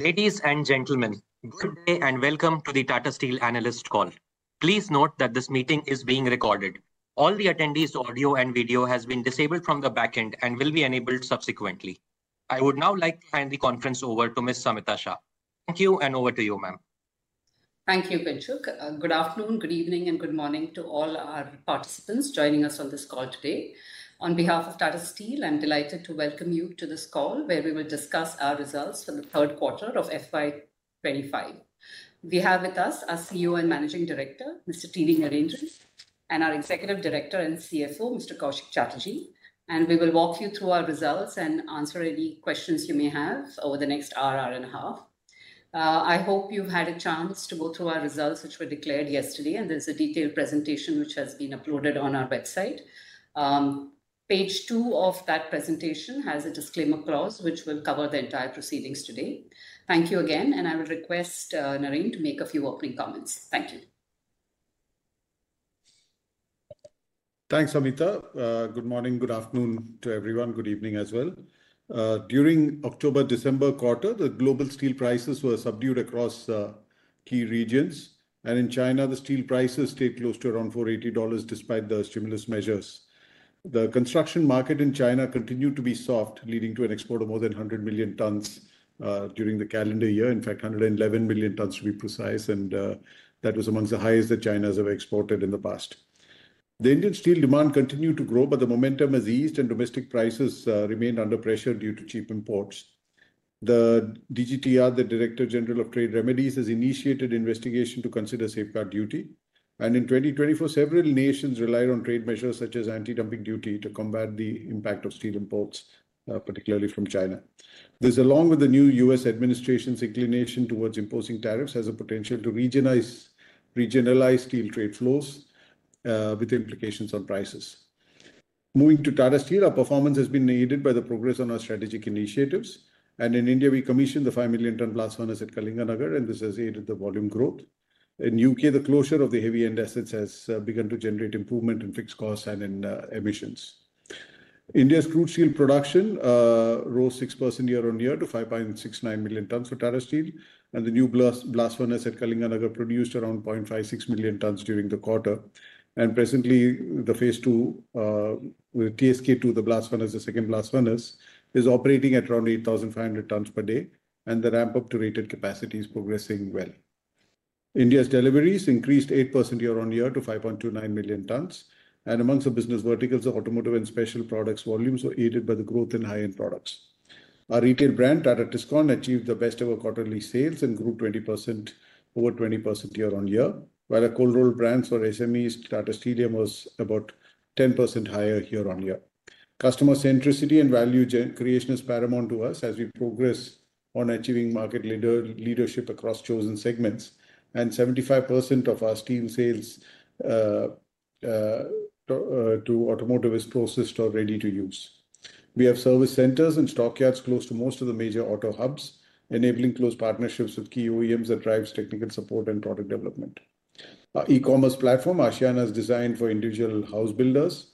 Ladies and gentlemen, good day and welcome to the Tata Steel Analyst Call. Please note that this meeting is being recorded. All the attendees' audio and video have been disabled from the back end and will be enabled subsequently. I would now like to hand the conference over to Ms. Samita Shah. Thank you, and over to you, ma'am. Thank you, Pinto. Good afternoon, good evening, and good morning to all our participants joining us on this call today. On behalf of Tata Steel, I'm delighted to welcome you to this call where we will discuss our results for the third quarter of FY25. We have with us our CEO and Managing Director, Mr. T. V. Narendran, and our Executive Director and CFO, Mr. Koushik Chatterjee, and we will walk you through our results and answer any questions you may have over the next hour, hour and a half. I hope you've had a chance to go through our results, which were declared yesterday, and there's a detailed presentation which has been uploaded on our website. Page two of that presentation has a disclaimer clause which will cover the entire proceedings today. Thank you again, and I will request Narendran to make a few opening comments. Thank you. Thanks, Samita. Good morning, good afternoon to everyone, good evening as well. During the October-December quarter, the global steel prices were subdued across key regions, and in China, the steel prices stayed close to around $480 despite the stimulus measures. The construction market in China continued to be soft, leading to an export of more than 100 million tons during the calendar year. In fact, 111 million tons, to be precise, and that was amongst the highest that China has ever exported in the past. The Indian steel demand continued to grow, but the momentum has eased and domestic prices remained under pressure due to cheap imports. The DGTR, the Director General of Trade Remedies, has initiated investigation to consider safeguard duty, and in 2024, several nations relied on trade measures such as anti-dumping duty to combat the impact of steel imports, particularly from China. This, along with the new U.S. administration's inclination towards imposing tariffs, has the potential to regionalize steel trade flows with implications on prices. Moving to Tata Steel, our performance has been aided by the progress on our strategic initiatives. In India, we commissioned the 5 million ton blast furnace at Kalinganagar, and this has aided the volume growth. In the U.K., the closure of the heavy end assets has begun to generate improvement in fixed costs and in emissions. India's crude steel production rose 6% year-on-year to 5.69 million tons for Tata Steel, and the new blast furnace at Kalinganagar produced around 0.56 million tons during the quarter. Presently, the phase two, with TSK2, the blast furnace, the second blast furnace, is operating at around 8,500 tons per day, and the ramp-up to rated capacity is progressing well. India's deliveries increased 8% year-on-year to 5.29 million tons, and amongst the business verticals, the automotive and special products volumes were aided by the growth in high-end products. Our retail brand, Tata Tiscon, achieved the best-ever quarterly sales and grew 20% over 20% year-on-year, while our cold-rolled brands for SMEs, Tata Steelium, was about 10% higher year-on-year. Customer centricity and value creation is paramount to us as we progress on achieving market leadership across chosen segments, and 75% of our steel sales to automotive is processed or ready to use. We have service centers and stockyards close to most of the major auto hubs, enabling close partnerships with key OEMs that drive technical support and product development. Our e-commerce platform, Aashiyana, is designed for individual home builders,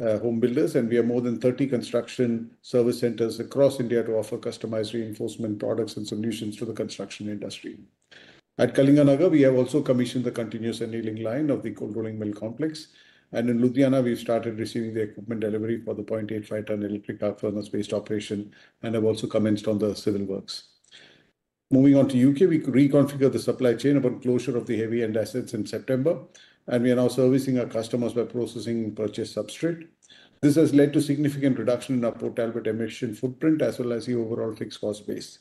and we have more than 30 construction service centers across India to offer customized reinforcement products and solutions to the construction industry. At Kalinganagar, we have also commissioned the continuous annealing line of the cold-rolling mill complex, and in Ludhiana, we've started receiving the equipment delivery for the 0.85-ton electric arc furnace-based operation and have also commenced on the civil works. Moving on to the UK, we reconfigured the supply chain upon closure of the heavy end assets in September, and we are now servicing our customers by processing purchased substrate. This has led to a significant reduction in our Port Talbot emission footprint as well as the overall fixed cost base.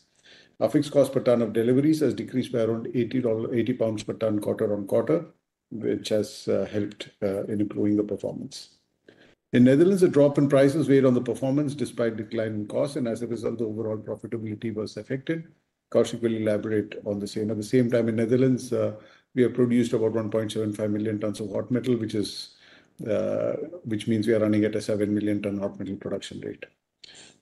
Our fixed cost per ton of deliveries has decreased by around £80 per ton quarter on quarter, which has helped in improving the performance. In the Netherlands, a drop in prices weighed on the performance despite declining costs, and as a result, the overall profitability was affected. Koushik will elaborate on the same. At the same time, in the Netherlands, we have produced about 1.75 million tons of hot metal, which means we are running at a 7 million ton hot metal production rate.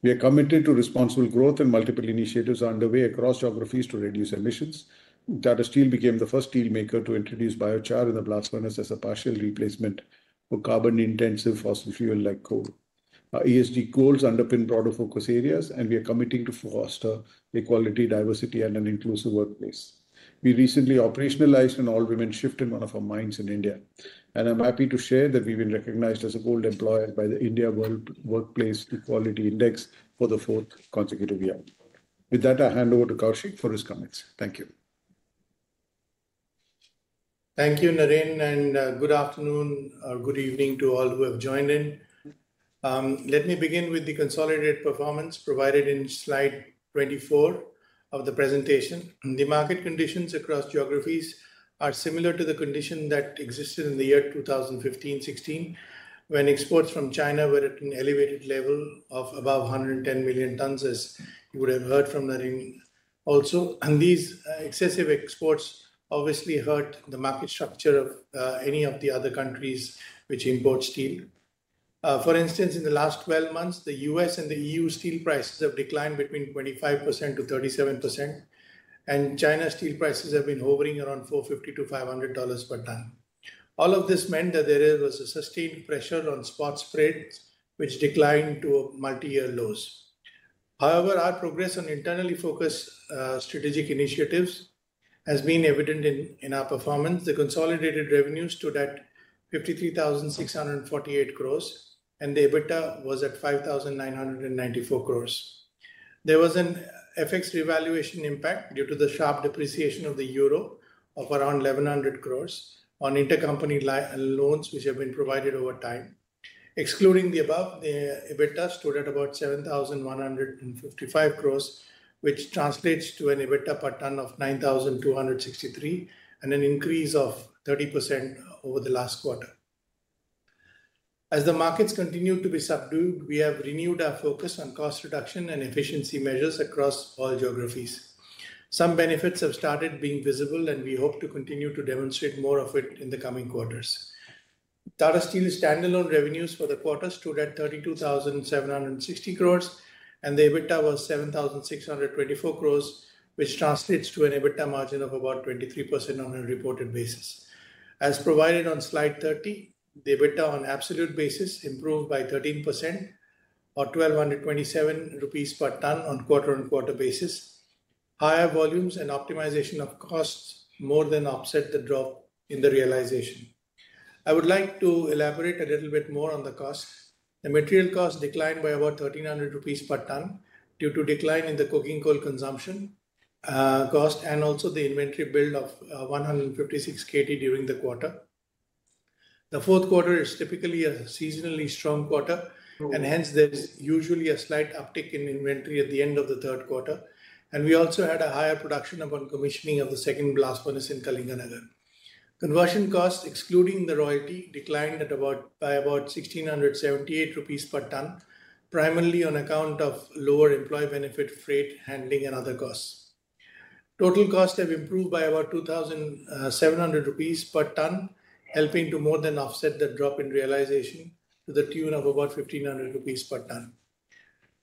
We are committed to responsible growth, and multiple initiatives are underway across geographies to reduce emissions. Tata Steel became the first steelmaker to introduce biochar in the blast furnaces as a partial replacement for carbon-intensive fossil fuel like coal. ESG goals underpin broader focus areas, and we are committing to foster equality, diversity, and an inclusive workplace. We recently operationalized an all-women shift in one of our mines in India, and I'm happy to share that we've been recognized as a gold employer by the India World Workplace Equality Index for the fourth consecutive year. With that, I hand over to Koushik for his comments. Thank you. Thank you, Narendran, and good afternoon or good evening to all who have joined in. Let me begin with the consolidated performance provided in slide 24 of the presentation. The market conditions across geographies are similar to the condition that existed in the year 2015-2016 when exports from China were at an elevated level of above 110 million tons, as you would have heard from Narendran also, and these excessive exports obviously hurt the market structure of any of the other countries which import steel. For instance, in the last 12 months, the U.S. and the E.U. steel prices have declined between 25%-37%, and China's steel prices have been hovering around $450-$500 per ton. All of this meant that there was a sustained pressure on spot spreads, which declined to multi-year lows. However, our progress on internally focused strategic initiatives has been evident in our performance. The consolidated revenues stood at 53,648 crores, and the EBITDA was at 5,994 crores. There was an FX revaluation impact due to the sharp depreciation of the euro of around 1,100 crores on intercompany loans which have been provided over time. Excluding the above, the EBITDA stood at about 7,155 crores, which translates to an EBITDA per ton of 9,263 and an increase of 30% over the last quarter. As the markets continue to be subdued, we have renewed our focus on cost reduction and efficiency measures across all geographies. Some benefits have started being visible, and we hope to continue to demonstrate more of it in the coming quarters. Tata Steel's standalone revenues for the quarter stood at 32,760 crores, and the EBITDA was 7,624 crores, which translates to an EBITDA margin of about 23% on a reported basis. As provided on slide 30, the EBITDA on absolute basis improved by 13% or 1,227 rupees per ton on quarter-on-quarter basis. Higher volumes and optimization of costs more than offset the drop in the realization. I would like to elaborate a little bit more on the costs. The material costs declined by about 1,300 rupees per ton due to a decline in the coking coal consumption cost and also the inventory build of 156 KT during the quarter. The fourth quarter is typically a seasonally strong quarter, and hence there's usually a slight uptick in inventory at the end of the third quarter. We also had a higher production upon commissioning of the second blast furnace in Kalinganagar. Conversion costs, excluding the royalty, declined by about 1,678 rupees per ton, primarily on account of lower employee benefit, freight, handling, and other costs. Total costs have improved by about 2,700 rupees per ton, helping to more than offset the drop in realization to the tune of about 1,500 rupees per ton.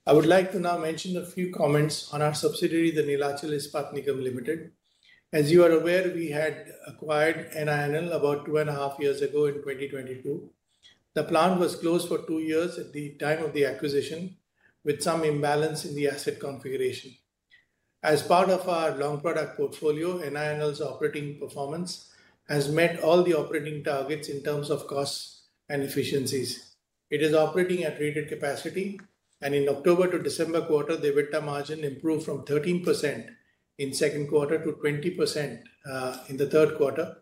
I would like to now mention a few comments on our subsidiary, the Neelachal Ispat Nigam Limited. As you are aware, we had acquired NINL about two and a half years ago in 2022. The plant was closed for two years at the time of the acquisition, with some imbalance in the asset configuration. As part of our long product portfolio, NINL's operating performance has met all the operating targets in terms of costs and efficiencies. It is operating at rated capacity, and in the October to December quarter, the EBITDA margin improved from 13% in the second quarter to 20% in the third quarter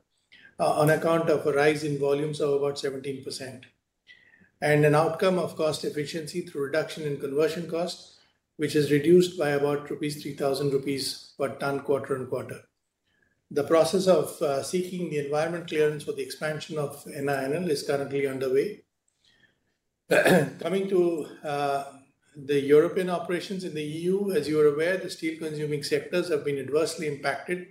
on account of a rise in volumes of about 17%. An outcome of cost efficiency through reduction in conversion costs, which has reduced by about 3,000 rupees per ton quarter on quarter. The process of seeking the environmental clearance for the expansion of NINL is currently underway. Coming to the European operations in the EU, as you are aware, the steel-consuming sectors have been adversely impacted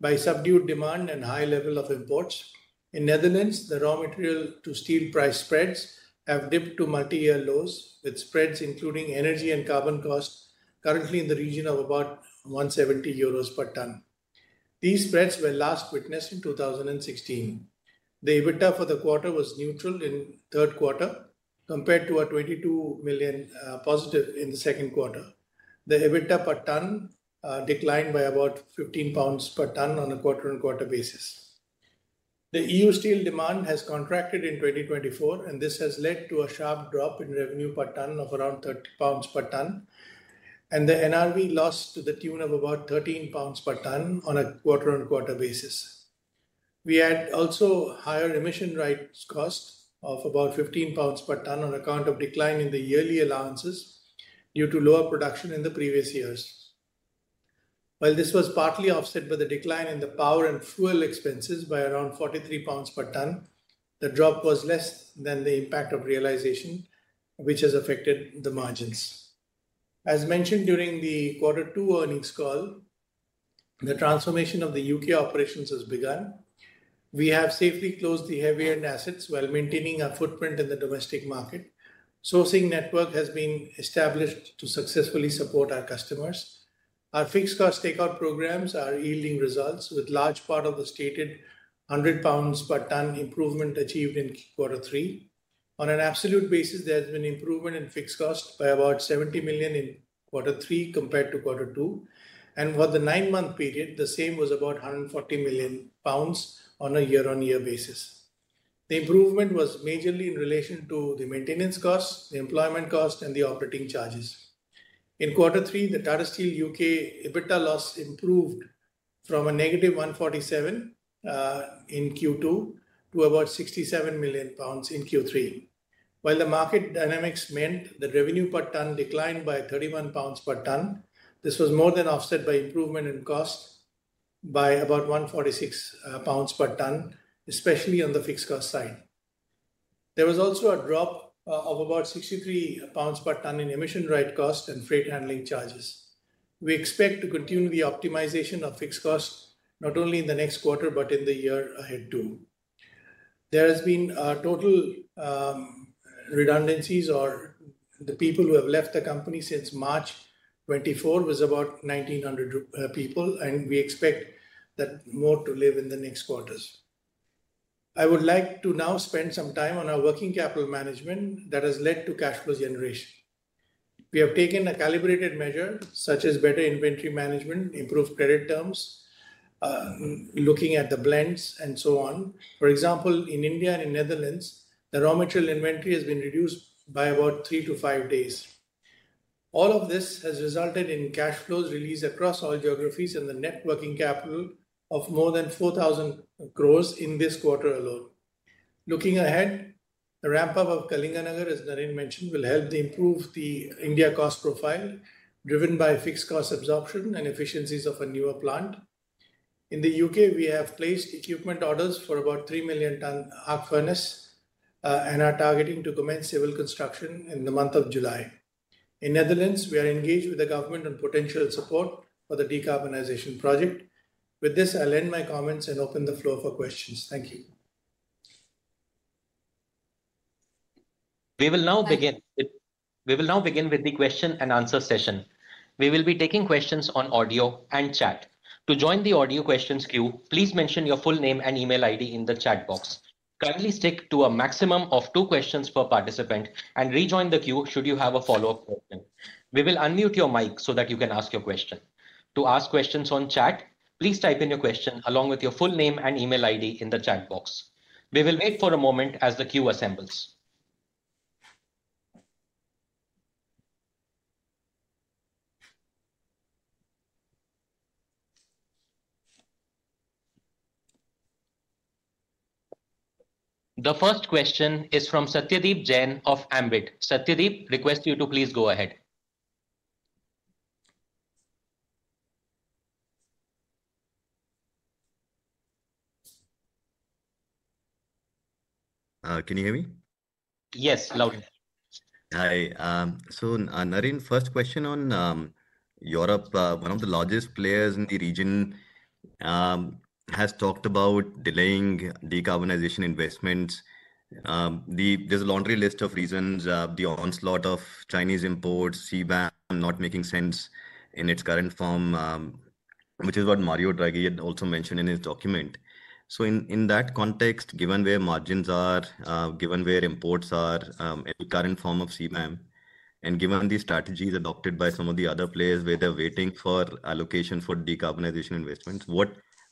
by subdued demand and high levels of imports. In the Netherlands, the raw material to steel price spreads have dipped to multi-year lows, with spreads including energy and carbon costs currently in the region of about 170 euros per ton. These spreads were last witnessed in 2016. The EBITDA for the quarter was neutral in the third quarter compared to a 22 million positive in the second quarter. The EBITDA per ton declined by about 15 pounds per ton on a quarter-on-quarter basis. The EU steel demand has contracted in 2024, and this has led to a sharp drop in revenue per ton of around 30 pounds per ton, and the NRV lost to the tune of about 13 pounds per ton on a quarter-on-quarter basis. We had also higher emission rights costs of about 15 pounds per ton on account of a decline in the yearly allowances due to lower production in the previous years. While this was partly offset by the decline in the power and fuel expenses by around 43 pounds per ton, the drop was less than the impact of realization, which has affected the margins. As mentioned during the quarter two earnings call, the transformation of the UK operations has begun. We have safely closed the heavy end assets while maintaining our footprint in the domestic market. Sourcing network has been established to successfully support our customers. Our fixed cost takeout programs are yielding results, with a large part of the stated £100 per ton improvement achieved in quarter three. On an absolute basis, there has been an improvement in fixed costs by about £70 million in quarter three compared to quarter two. And for the nine-month period, the same was about £140 million on a year-on-year basis. The improvement was majorly in relation to the maintenance costs, the employment costs, and the operating charges. In quarter three, the Tata Steel UK EBITDA loss improved from a negative £147 million in Q2 to about £67 million in Q3. While the market dynamics meant that revenue per ton declined by £31 per ton, this was more than offset by improvement in cost by about £146 per ton, especially on the fixed cost side. There was also a drop of about £63 per ton in emission rights costs and freight handling charges. We expect to continue the optimization of fixed costs not only in the next quarter but in the year ahead too. There have been total redundancies, or the people who have left the company since March 2024 was about 1,900 people, and we expect that more to leave in the next quarters. I would like to now spend some time on our working capital management that has led to cash flow generation. We have taken a calibrated measure, such as better inventory management, improved credit terms, looking at the blends, and so on. For example, in India and in the Netherlands, the raw material inventory has been reduced by about three to five days. All of this has resulted in cash flows released across all geographies and the net working capital of more than 4,000 crores in this quarter alone. Looking ahead, the ramp-up of Kalinganagar, as Narendran mentioned, will help improve the India cost profile driven by fixed cost absorption and efficiencies of a newer plant. In the UK, we have placed equipment orders for about 3 million tonne EAF furnace and are targeting to commence civil construction in the month of July. In the Netherlands, we are engaged with the government on potential support for the decarbonization project. With this, I'll end my comments and open the floor for questions. Thank you. We will now begin with the question and answer session. We will be taking questions on audio and chat. To join the audio questions queue, please mention your full name and email ID in the chat box. Kindly stick to a maximum of two questions per participant and rejoin the queue should you have a follow-up question. We will unmute your mic so that you can ask your question. To ask questions on chat, please type in your question along with your full name and email ID in the chat box. We will wait for a moment as the queue assembles. The first question is from Satyadeep Jain of Ambit. Satyadeep, request you to please go ahead. Can you hear me? Yes, loud. Hi. So Narendran, first question on Europe. One of the largest players in the region has talked about delaying decarbonization investments. There's a laundry list of reasons. The onslaught of Chinese imports, CBAM, not making sense in its current form, which is what Mario Draghi had also mentioned in his document. So in that context, given where margins are, given where imports are in the current form of CBAM, and given the strategies adopted by some of the other players where they're waiting for allocation for decarbonization investments,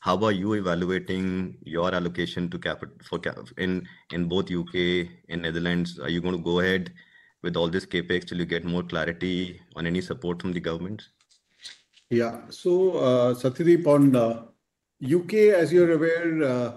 how are you evaluating your allocation in both the U.K. and the Netherlands? Are you going to go ahead with all this CapEx till you get more clarity on any support from the government? Yeah. So Satyadeep, on the UK, as you're aware,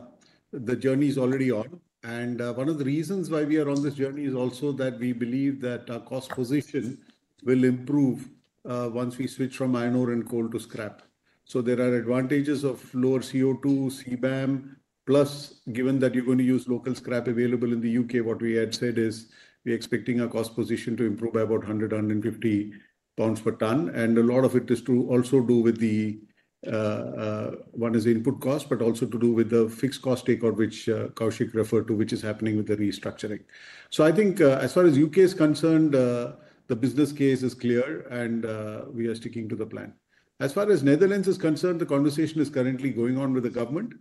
the journey is already on. And one of the reasons why we are on this journey is also that we believe that our cost position will improve once we switch from iron ore and coal to scrap. So there are advantages of lower CO2, CBAM. Plus, given that you're going to use local scrap available in the UK, what we had said is we're expecting our cost position to improve by about £100-£150 per ton. And a lot of it is to also do with the one is input cost, but also to do with the fixed cost takeout, which Koushik referred to, which is happening with the restructuring. So I think as far as the UK is concerned, the business case is clear, and we are sticking to the plan. As far as the Netherlands is concerned, the conversation is currently going on with the government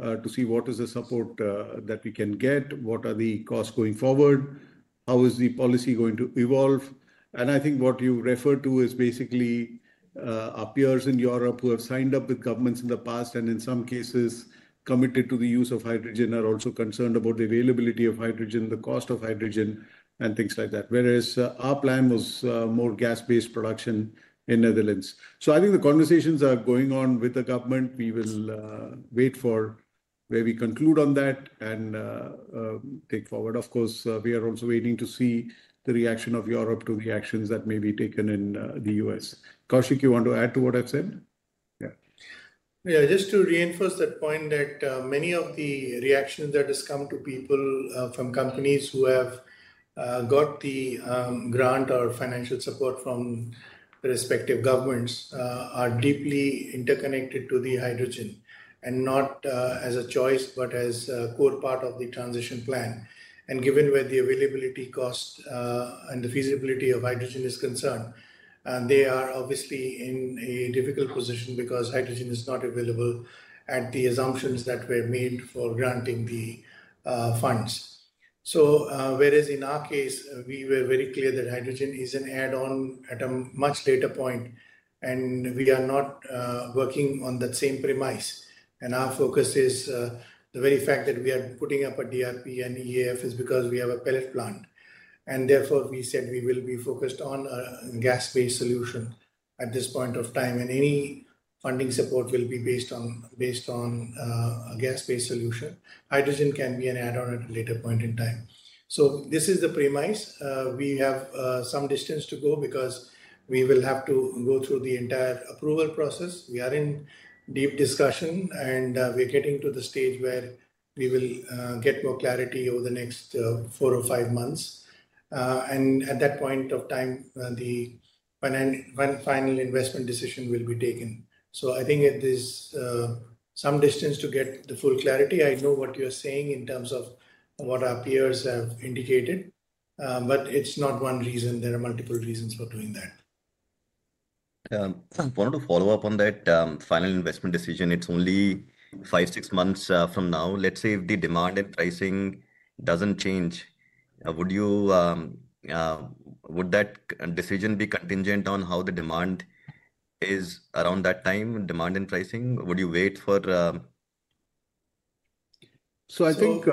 to see what is the support that we can get, what are the costs going forward, how is the policy going to evolve, and I think what you refer to is basically our peers in Europe who have signed up with governments in the past and in some cases committed to the use of hydrogen are also concerned about the availability of hydrogen, the cost of hydrogen, and things like that. Whereas our plan was more gas-based production in the Netherlands, so I think the conversations are going on with the government. We will wait for where we conclude on that and take forward. Of course, we are also waiting to see the reaction of Europe to the actions that may be taken in the U.S. Koushik, you want to add to what I've said? Yeah. Yeah. Just to reinforce that point that many of the reactions that have come to people from companies who have got the grant or financial support from the respective governments are deeply interconnected to the hydrogen and not as a choice, but as a core part of the transition plan. And given where the availability cost and the feasibility of hydrogen is concerned, they are obviously in a difficult position because hydrogen is not available at the assumptions that were made for granting the funds. So whereas in our case, we were very clear that hydrogen is an add-on at a much later point, and we are not working on that same premise. And our focus is the very fact that we are putting up a DRI and EAF is because we have a pellet plant. And therefore, we said we will be focused on a gas-based solution at this point of time, and any funding support will be based on a gas-based solution. Hydrogen can be an add-on at a later point in time. So this is the premise. We have some distance to go because we will have to go through the entire approval process. We are in deep discussion, and we're getting to the stage where we will get more clarity over the next four or five months. And at that point of time, the final investment decision will be taken. So I think it is some distance to get the full clarity. I know what you're saying in terms of what our peers have indicated, but it's not one reason. There are multiple reasons for doing that. I want to follow up on that final investment decision. It's only five, six months from now. Let's say if the demand and pricing doesn't change, would that decision be contingent on how the demand is around that time, demand and pricing? Would you wait for? So I think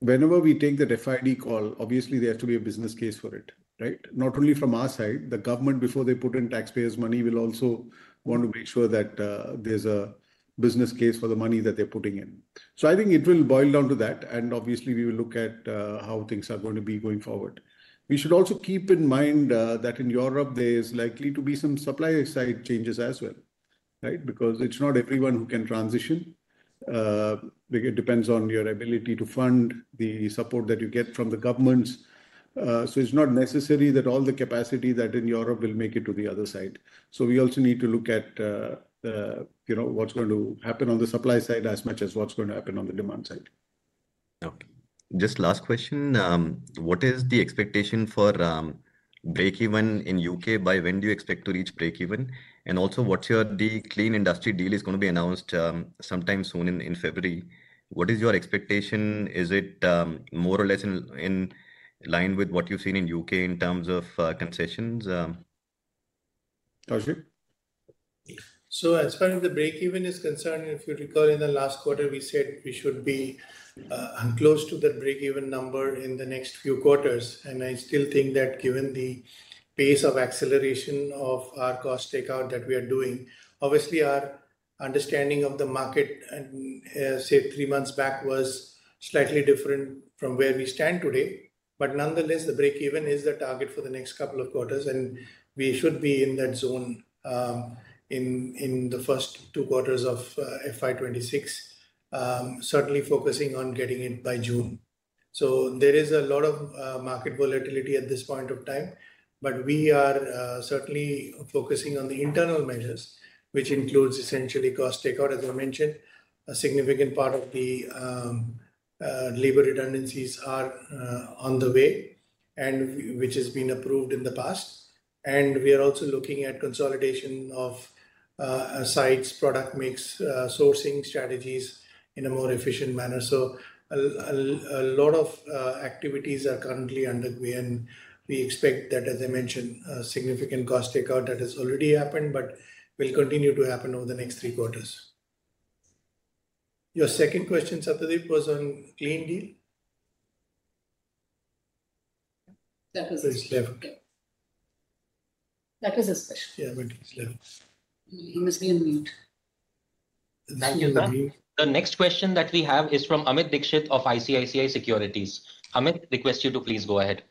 whenever we take the FID call, obviously, there has to be a business case for it, right? Not only from our side, the government, before they put in taxpayers' money, will also want to make sure that there's a business case for the money that they're putting in. So I think it will boil down to that, and obviously, we will look at how things are going to be going forward. We should also keep in mind that in Europe, there is likely to be some supply-side changes as well, right? Because it's not everyone who can transition. It depends on your ability to fund the support that you get from the governments. So it's not necessary that all the capacity that in Europe will make it to the other side. So we also need to look at what's going to happen on the supply side as much as what's going to happen on the demand side. Okay. Just last question. What is the expectation for break-even in the UK? By when do you expect to reach break-even? And also, what's your deal? The clean industry deal is going to be announced sometime soon in February. What is your expectation? Is it more or less in line with what you've seen in the UK in terms of concessions? So as far as the break-even is concerned, if you recall, in the last quarter, we said we should be close to the break-even number in the next few quarters. And I still think that given the pace of acceleration of our cost takeout that we are doing, obviously, our understanding of the market, say, three months back, was slightly different from where we stand today. But nonetheless, the break-even is the target for the next couple of quarters, and we should be in that zone in the first two quarters of FY26, certainly focusing on getting it by June. So there is a lot of market volatility at this point of time, but we are certainly focusing on the internal measures, which includes essentially cost takeout, as I mentioned. A significant part of the labor redundancies are on the way, which has been approved in the past. And we are also looking at consolidation of sites, product mix, sourcing strategies in a more efficient manner. So a lot of activities are currently underway, and we expect that, as I mentioned, a significant cost takeout that has already happened but will continue to happen over the next three quarters. Your second question, Satyadeep, was on clean steel. That was his question. Yeah, but he must be on mute. Thank you. The next question that we have is from Amit Dixit of ICICI Securities. Amit, request you to please go ahead.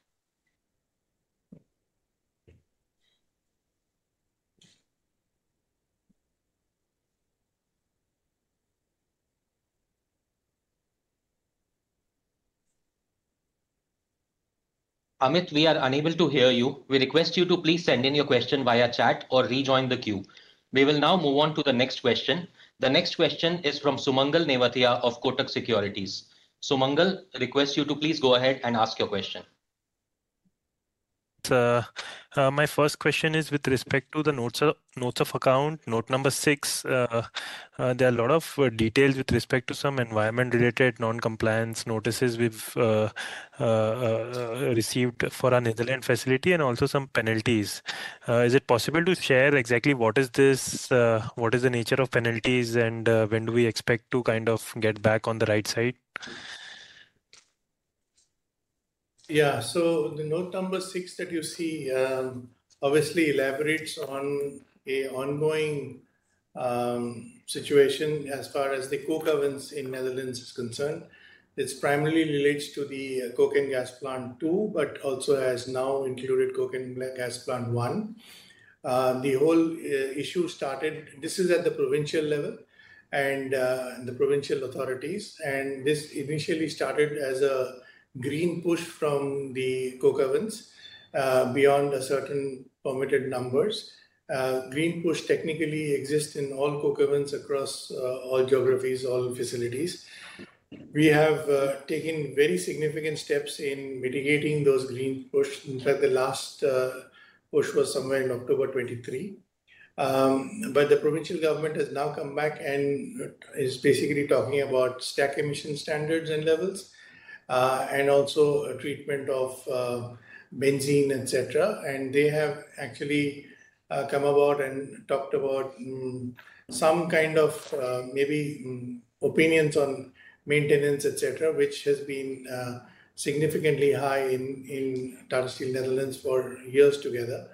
Amit, we are unable to hear you. We request you to please send in your question via chat or rejoin the queue. We will now move on to the next question. The next question is from Sumangal Nevatia of Kotak Securities. Sumangal, request you to please go ahead and ask your question. My first question is with respect to the notes of account, note number six. There are a lot of details with respect to some environment-related non-compliance notices we've received for a Netherlands facility and also some penalties. Is it possible to share exactly what is the nature of penalties and when do we expect to kind of get back on the right side? Yeah. So the note number six that you see obviously elaborates on an ongoing situation as far as the coke ovens in Netherlands is concerned. It primarily relates to the coke and gas plant two, but also has now included coke and gas plant one. The whole issue started, this is at the provincial level and the provincial authorities, and this initially started as a green push from the coke ovens beyond a certain permitted numbers. Green push technically exists in all coke ovens across all geographies, all facilities. We have taken very significant steps in mitigating those green push. In fact, the last push was somewhere in October 2023. But the provincial government has now come back and is basically talking about stack emission standards and levels and also treatment of benzene, etc. They have actually come about and talked about some kind of maybe opinions on maintenance, etc., which has been significantly high in Tata Steel Netherlands for years together.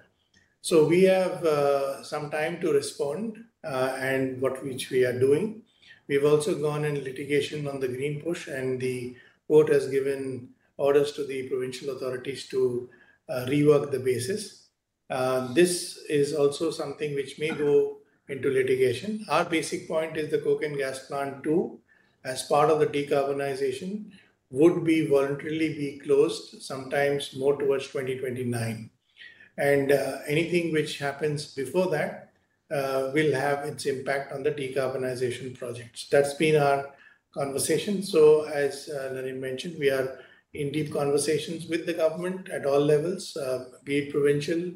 We have some time to respond and which we are doing. We've also gone in litigation on the green push, and the court has given orders to the provincial authorities to rework the basis. This is also something which may go into litigation. Our basic point is the coke and gas plant two, as part of the decarbonization, would voluntarily be closed, sometime more towards 2029. Anything which happens before that will have its impact on the decarbonization projects. That's been our conversation. As Narendran mentioned, we are in deep conversations with the government at all levels, be it provincial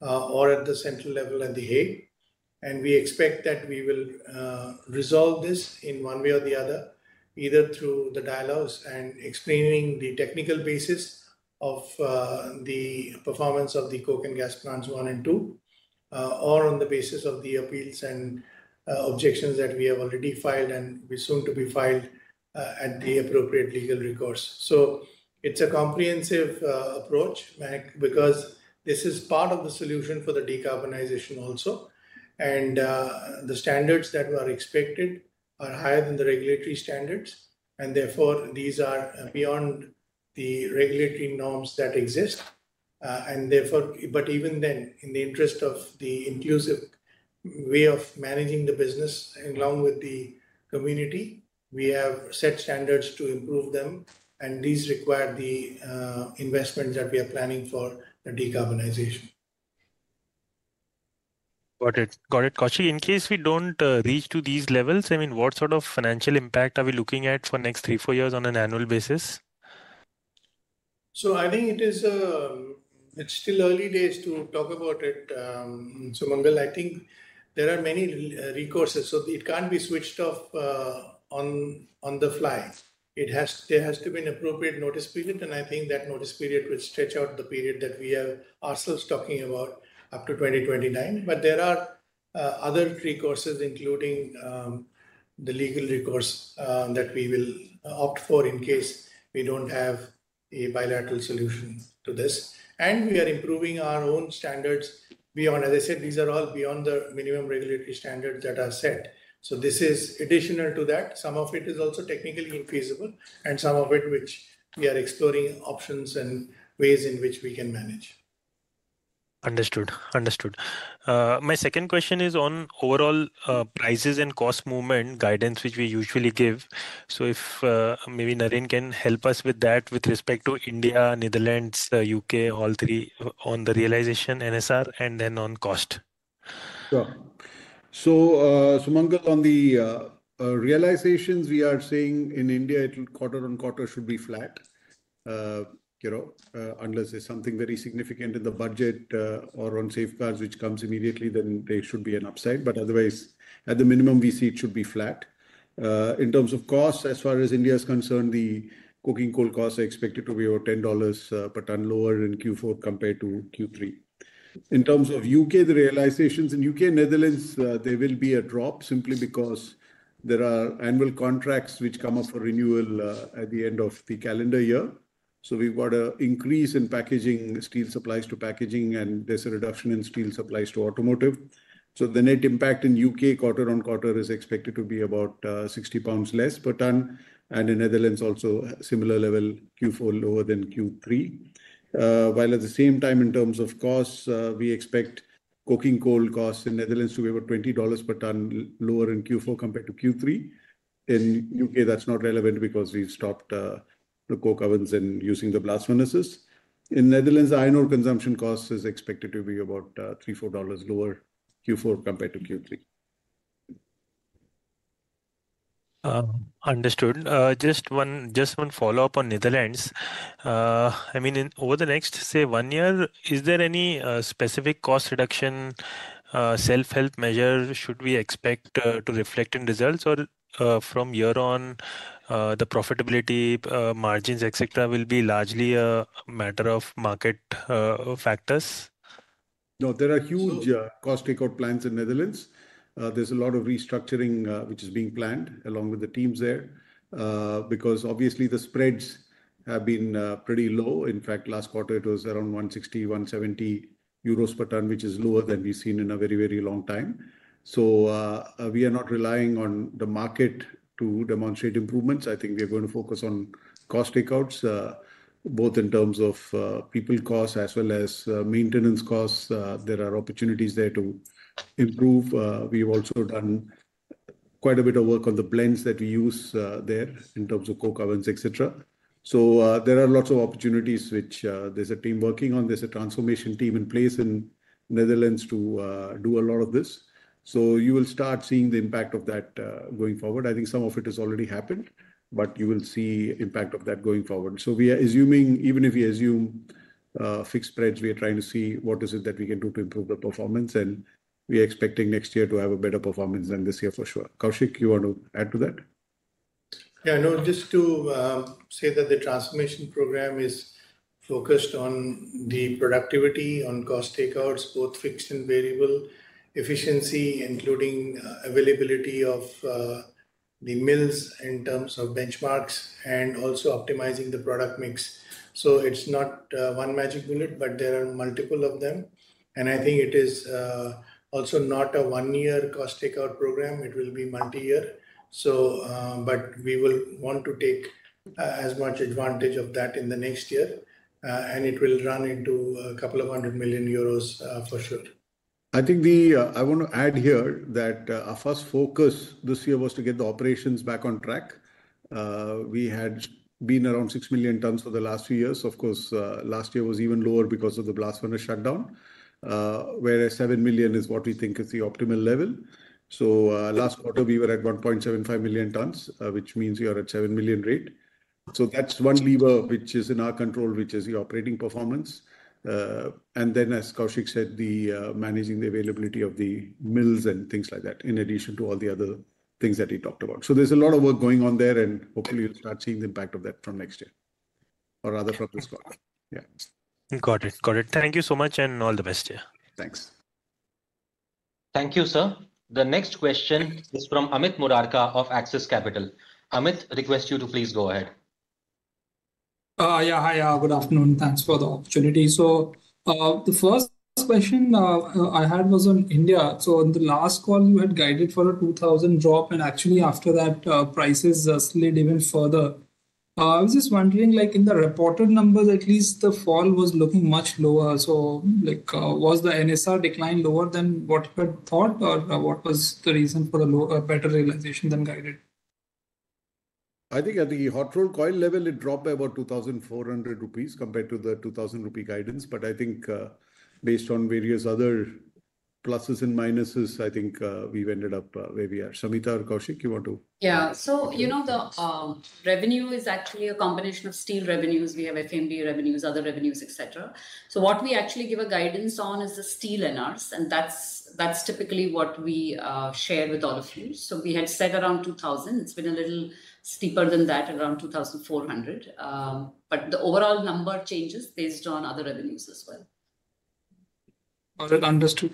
or at the central level and The Hague. And we expect that we will resolve this in one way or the other, either through the dialogues and explaining the technical basis of the performance of the coke and gas plants one and two, or on the basis of the appeals and objections that we have already filed and will soon to be filed at the appropriate legal recourse. So it's a comprehensive approach because this is part of the solution for the decarbonization also. And the standards that are expected are higher than the regulatory standards. And therefore, these are beyond the regulatory norms that exist. But even then, in the interest of the inclusive way of managing the business along with the community, we have set standards to improve them. And these require the investments that we are planning for the decarbonization. Got it. Got it, Koushik. In case we don't reach to these levels, I mean, what sort of financial impact are we looking at for the next three, four years on an annual basis? So I think it's still early days to talk about it. Sumangal, I think there are many recourses. So it can't be switched off on the fly. There has to be an appropriate notice period. And I think that notice period will stretch out the period that we are ourselves talking about up to 2029. But there are other recourses, including the legal recourse that we will opt for in case we don't have a bilateral solution to this. And we are improving our own standards beyond, as I said, these are all beyond the minimum regulatory standards that are set. So this is additional to that. Some of it is also technically infeasible, and some of it which we are exploring options and ways in which we can manage. Understood. Understood. My second question is on overall prices and cost movement guidance, which we usually give. So if maybe Narendran can help us with that with respect to India, Netherlands, U.K., all three on the realization, NSR, and then on cost? Sure. So Sumangal, on the realizations, we are saying in India, quarter on quarter should be flat. Unless there's something very significant in the budget or on safeguards which comes immediately, then there should be an upside. But otherwise, at the minimum, we see it should be flat. In terms of cost, as far as India is concerned, the cooking coal costs are expected to be over $10 per ton lower in Q4 compared to Q3. In terms of UK, the realizations in UK and Netherlands, there will be a drop simply because there are annual contracts which come up for renewal at the end of the calendar year. So we've got an increase in packaging steel supplies to packaging, and there's a reduction in steel supplies to automotive. So the net impact in UK quarter on quarter is expected to be about £60 less per ton. In the Netherlands, also similar level, Q4 lower than Q3. While at the same time, in terms of costs, we expect coking coal costs in the Netherlands to be about $20 per ton lower in Q4 compared to Q3. In the UK, that's not relevant because we've stopped the coke ovens and using the blast furnaces. In the Netherlands, iron ore consumption costs are expected to be about $3-$4 lower in Q4 compared to Q3. Understood. Just one follow-up on Netherlands. I mean, over the next, say, one year, is there any specific cost reduction self-help measure should we expect to reflect in results, or from year on, the profitability, margins, etc., will be largely a matter of market factors? No, there are huge cost takeout plans in the Netherlands. There's a lot of restructuring which is being planned along with the teams there because obviously, the spreads have been pretty low. In fact, last quarter, it was around €160-€170 per ton, which is lower than we've seen in a very, very long time. So we are not relying on the market to demonstrate improvements. I think we are going to focus on cost takeouts, both in terms of people costs as well as maintenance costs. There are opportunities there to improve. We've also done quite a bit of work on the blends that we use there in terms of coke ovens, etc. So there are lots of opportunities which there's a team working on. There's a transformation team in place in the Netherlands to do a lot of this. So you will start seeing the impact of that going forward. I think some of it has already happened, but you will see the impact of that going forward. So we are assuming, even if we assume fixed spreads, we are trying to see what is it that we can do to improve the performance. And we are expecting next year to have a better performance than this year, for sure. Koushik, you want to add to that? Yeah. No, just to say that the transformation program is focused on the productivity, on cost takeouts, both fixed and variable efficiency, including availability of the mills in terms of benchmarks and also optimizing the product mix. So it's not one magic bullet, but there are multiple of them. And I think it is also not a one-year cost takeout program. It will be multi-year. But we will want to take as much advantage of that in the next year. And it will run into 200 million euros for sure. I think I want to add here that our first focus this year was to get the operations back on track. We had been around six million tons for the last few years. Of course, last year was even lower because of the blast furnace shutdown, whereas seven million is what we think is the optimal level. So last quarter, we were at 1.75 million tons, which means we are at seven million rate. So that's one lever which is in our control, which is the operating performance. And then, as Koushik said, managing the availability of the mills and things like that in addition to all the other things that we talked about. So there's a lot of work going on there, and hopefully, we'll start seeing the impact of that from next year or rather from this quarter. Yeah. Got it. Got it. Thank you so much and all the best here. Thanks. Thank you, sir. The next question is from Amit Murarka of Axis Capital. Amit, request you to please go ahead. Yeah. Hi. Good afternoon. Thanks for the opportunity, so the first question I had was on India, so in the last call, you had guided for a 2,000 drop. And actually, after that, prices slid even further. I was just wondering, in the reported numbers, at least the fall was looking much lower, so was the NSR decline lower than what you had thought, or what was the reason for the better realization than guided? I think at the hot rolled coil level, it dropped by about 2,400 rupees compared to the 2,000 rupee guidance. But I think based on various other pluses and minuses, I think we've ended up where we are. Samita or Koushik, you want to? Yeah. So you know the revenue is actually a combination of steel revenues. We have FAM revenues, other revenues, etc. So what we actually give a guidance on is the steel NSRs. And that's typically what we share with all of you. So we had set around 2,000. It's been a little steeper than that, around 2,400. But the overall number changes based on other revenues as well. Got it. Understood.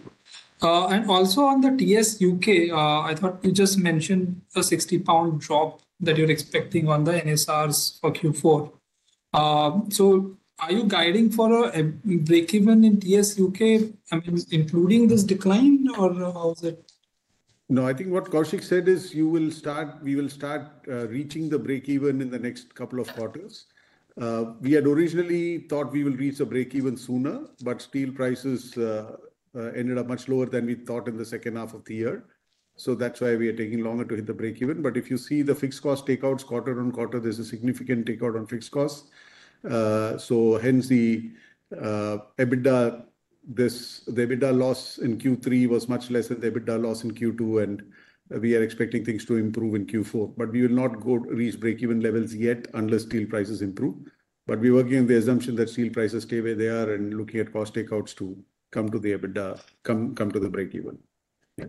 And also on the TS UK, I thought you just mentioned a £60 drop that you're expecting on the NSRs for Q4. So are you guiding for a break-even in TS UK, including this decline, or how is it? No, I think what Koushik said is we will start reaching the break-even in the next couple of quarters. We had originally thought we will reach a break-even sooner, but steel prices ended up much lower than we thought in the second half of the year. So that's why we are taking longer to hit the break-even. But if you see the fixed cost takeouts quarter on quarter, there's a significant takeout on fixed costs. So hence, the EBITDA loss in Q3 was much less than the EBITDA loss in Q2. And we are expecting things to improve in Q4. But we will not reach break-even levels yet unless steel prices improve. But we're working on the assumption that steel prices stay where they are and looking at cost takeouts to come to the EBITDA, come to the break-even.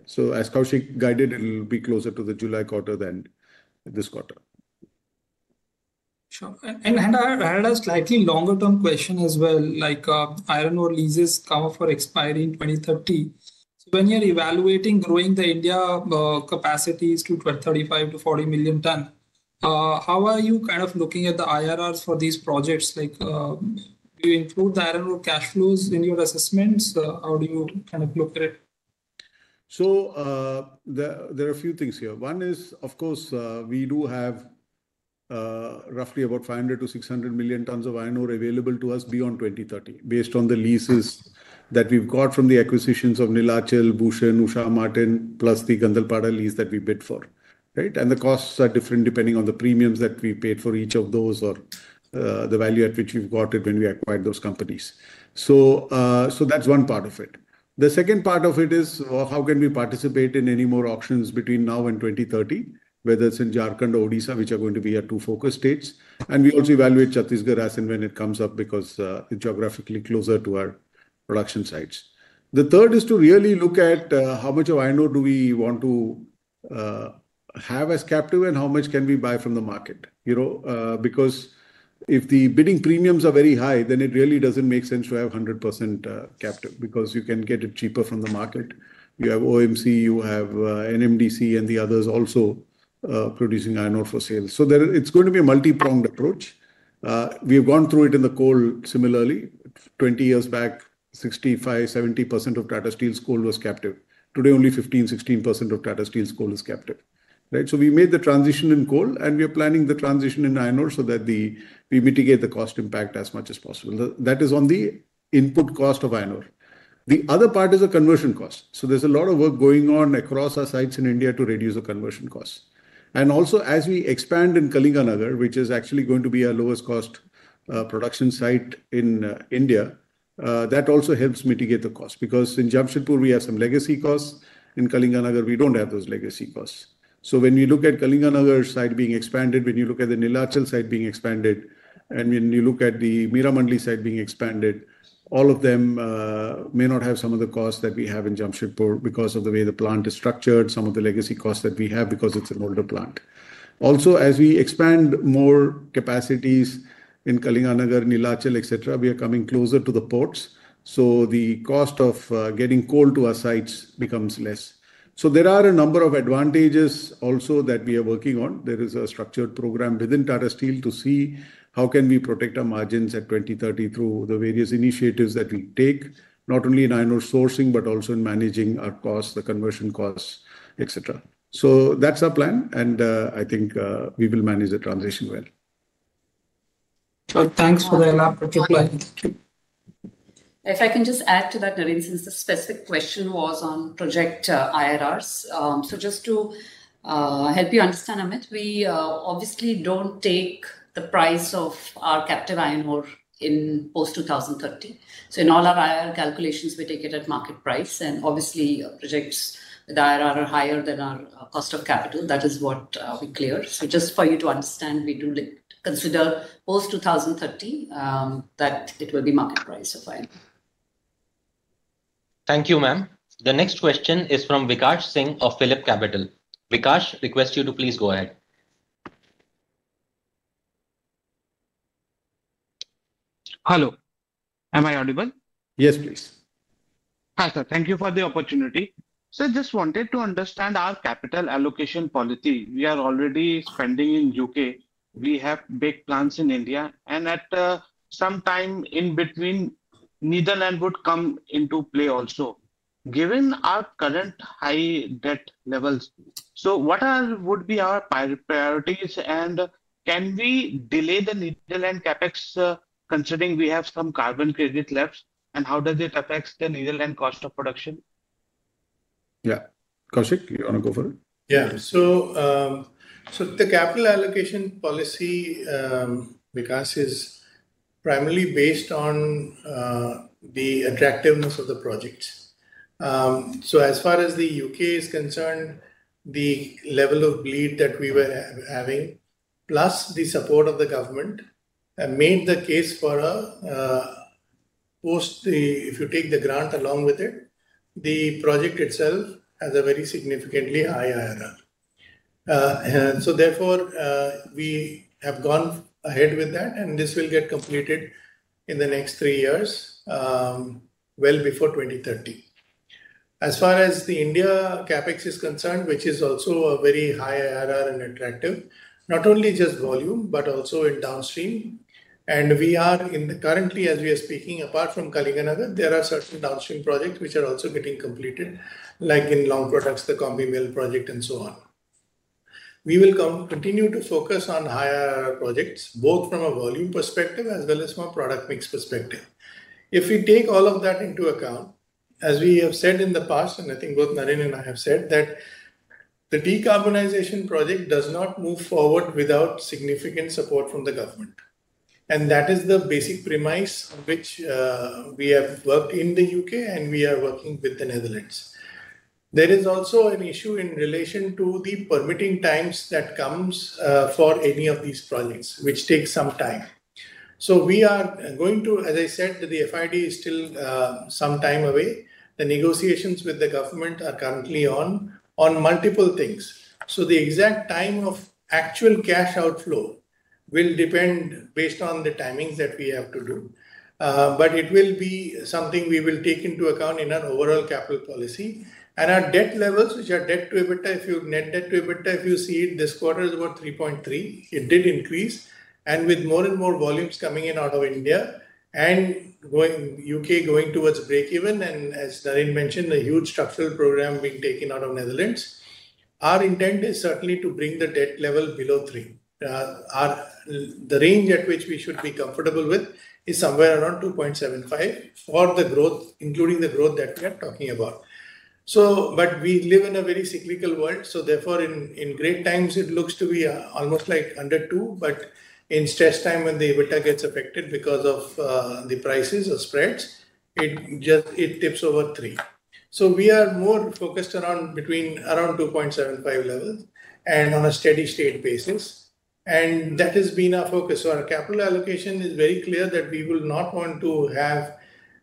So as Koushik guided, it'll be closer to the July quarter than this quarter. Sure. And I had a slightly longer-term question as well. Iron ore leases come up for expiry in 2030. So when you're evaluating growing the India capacities to 35 to 40 million ton, how are you kind of looking at the IRRs for these projects? Do you include the iron ore cash flows in your assessments? How do you kind of look at it? So there are a few things here. One is, of course, we do have roughly about 500-600 million tons of iron ore available to us beyond 2030 based on the leases that we've got from the acquisitions of Neelachal, Bhushan, Usha Martin, plus the Gandhalpada lease that we bid for. And the costs are different depending on the premiums that we paid for each of those or the value at which we've got it when we acquired those companies. So that's one part of it. The second part of it is how can we participate in any more auctions between now and 2030, whether it's in Jharkhand or Odisha, which are going to be our two focus states. And we also evaluate Chhattisgarh as and when it comes up because it's geographically closer to our production sites. The third is to really look at how much of iron ore do we want to have as captive and how much can we buy from the market. Because if the bidding premiums are very high, then it really doesn't make sense to have 100% captive because you can get it cheaper from the market. You have OMC, you have NMDC, and the others also producing iron ore for sale. So it's going to be a multi-pronged approach. We have gone through it in the coal similarly. 20 years back, 65%-70% of Tata Steel's coal was captive. Today, only 15%-16% of Tata Steel's coal is captive. So we made the transition in coal, and we are planning the transition in iron ore so that we mitigate the cost impact as much as possible. That is on the input cost of iron ore. The other part is the conversion cost, so there's a lot of work going on across our sites in India to reduce the conversion costs, and also, as we expand in Kalinganagar, which is actually going to be our lowest cost production site in India, that also helps mitigate the cost. Because in Jamshedpur, we have some legacy costs. In Kalinganagar, we don't have those legacy costs, so when we look at Kalinganagar site being expanded, when you look at the Neelachal site being expanded, and when you look at the Meramandali site being expanded, all of them may not have some of the costs that we have in Jamshedpur because of the way the plant is structured, some of the legacy costs that we have because it's an older plant. Also, as we expand more capacities in Kalinganagar, Neelachal, etc., we are coming closer to the ports. So the cost of getting coal to our sites becomes less. So there are a number of advantages also that we are working on. There is a structured program within Tata Steel to see how can we protect our margins at 2030 through the various initiatives that we take, not only in iron ore sourcing, but also in managing our costs, the conversion costs, etc. So that's our plan. And I think we will manage the transition well. Thanks for the elaborate reply. If I can just add to that, Narendran, since the specific question was on project IRRs. So just to help you understand, Amit, we obviously don't take the price of our captive iron ore in post-2030. So in all our IRR calculations, we take it at market price. And obviously, projects with IRR are higher than our cost of capital. That is what we clear. So just for you to understand, we do consider post-2030 that it will be market price of iron. Thank you, ma'am. The next question is from Vikash Singh of PhillipCapital. Vikas, request you to please go ahead. Hello. Am I audible? Yes, please. Hi, sir. Thank you for the opportunity. So I just wanted to understand our capital allocation policy. We are already spending in U.K. We have big plants in India. And at some time in between, Netherlands would come into play also, given our current high debt levels. So what would be our priorities? And can we delay the Netherlands CapEx considering we have some carbon credit left? And how does it affect the Netherlands cost of production? Yeah. Koushik, you want to go for it? Yeah. So the capital allocation policy, Vikas, is primarily based on the attractiveness of the projects. So as far as the UK is concerned, the level of bleed that we were having, plus the support of the government, made the case for a post. If you take the grant along with it, the project itself has a very significantly high IRR. So therefore, we have gone ahead with that. And this will get completed in the next three years, well before 2030. As far as the India CapEx is concerned, which is also a very high IRR and attractive, not only just volume, but also in downstream. And we are currently, as we are speaking, apart from Kalinganagar, there are certain downstream projects which are also getting completed, like in long products, the Combi Mill project, and so on. We will continue to focus on higher projects, both from a volume perspective as well as from a product mix perspective. If we take all of that into account, as we have said in the past, and I think both Narendran and I have said that the decarbonization project does not move forward without significant support from the government, and that is the basic premise on which we have worked in the U.K., and we are working with the Netherlands. There is also an issue in relation to the permitting times that come for any of these projects, which takes some time, so we are going to, as I said, the FID is still some time away. The negotiations with the government are currently on multiple things, so the exact time of actual cash outflow will depend based on the timings that we have to do. But it will be something we will take into account in our overall capital policy. And our debt levels, which are debt to EBITDA, if you net debt to EBITDA, if you see it this quarter, it's about 3.3. It did increase. And with more and more volumes coming in out of India and UK going towards break-even, and as Narendran mentioned, a huge structural program being taken out of Netherlands, our intent is certainly to bring the debt level below 3. The range at which we should be comfortable with is somewhere around 2.75 for the growth, including the growth that we are talking about. But we live in a very cyclical world. So therefore, in great times, it looks to be almost like under 2. But in stress time, when the EBITDA gets affected because of the prices or spreads, it tips over 3. We are more focused around 2.75 level and on a steady-state basis. That has been our focus. Our capital allocation is very clear that we will not want to have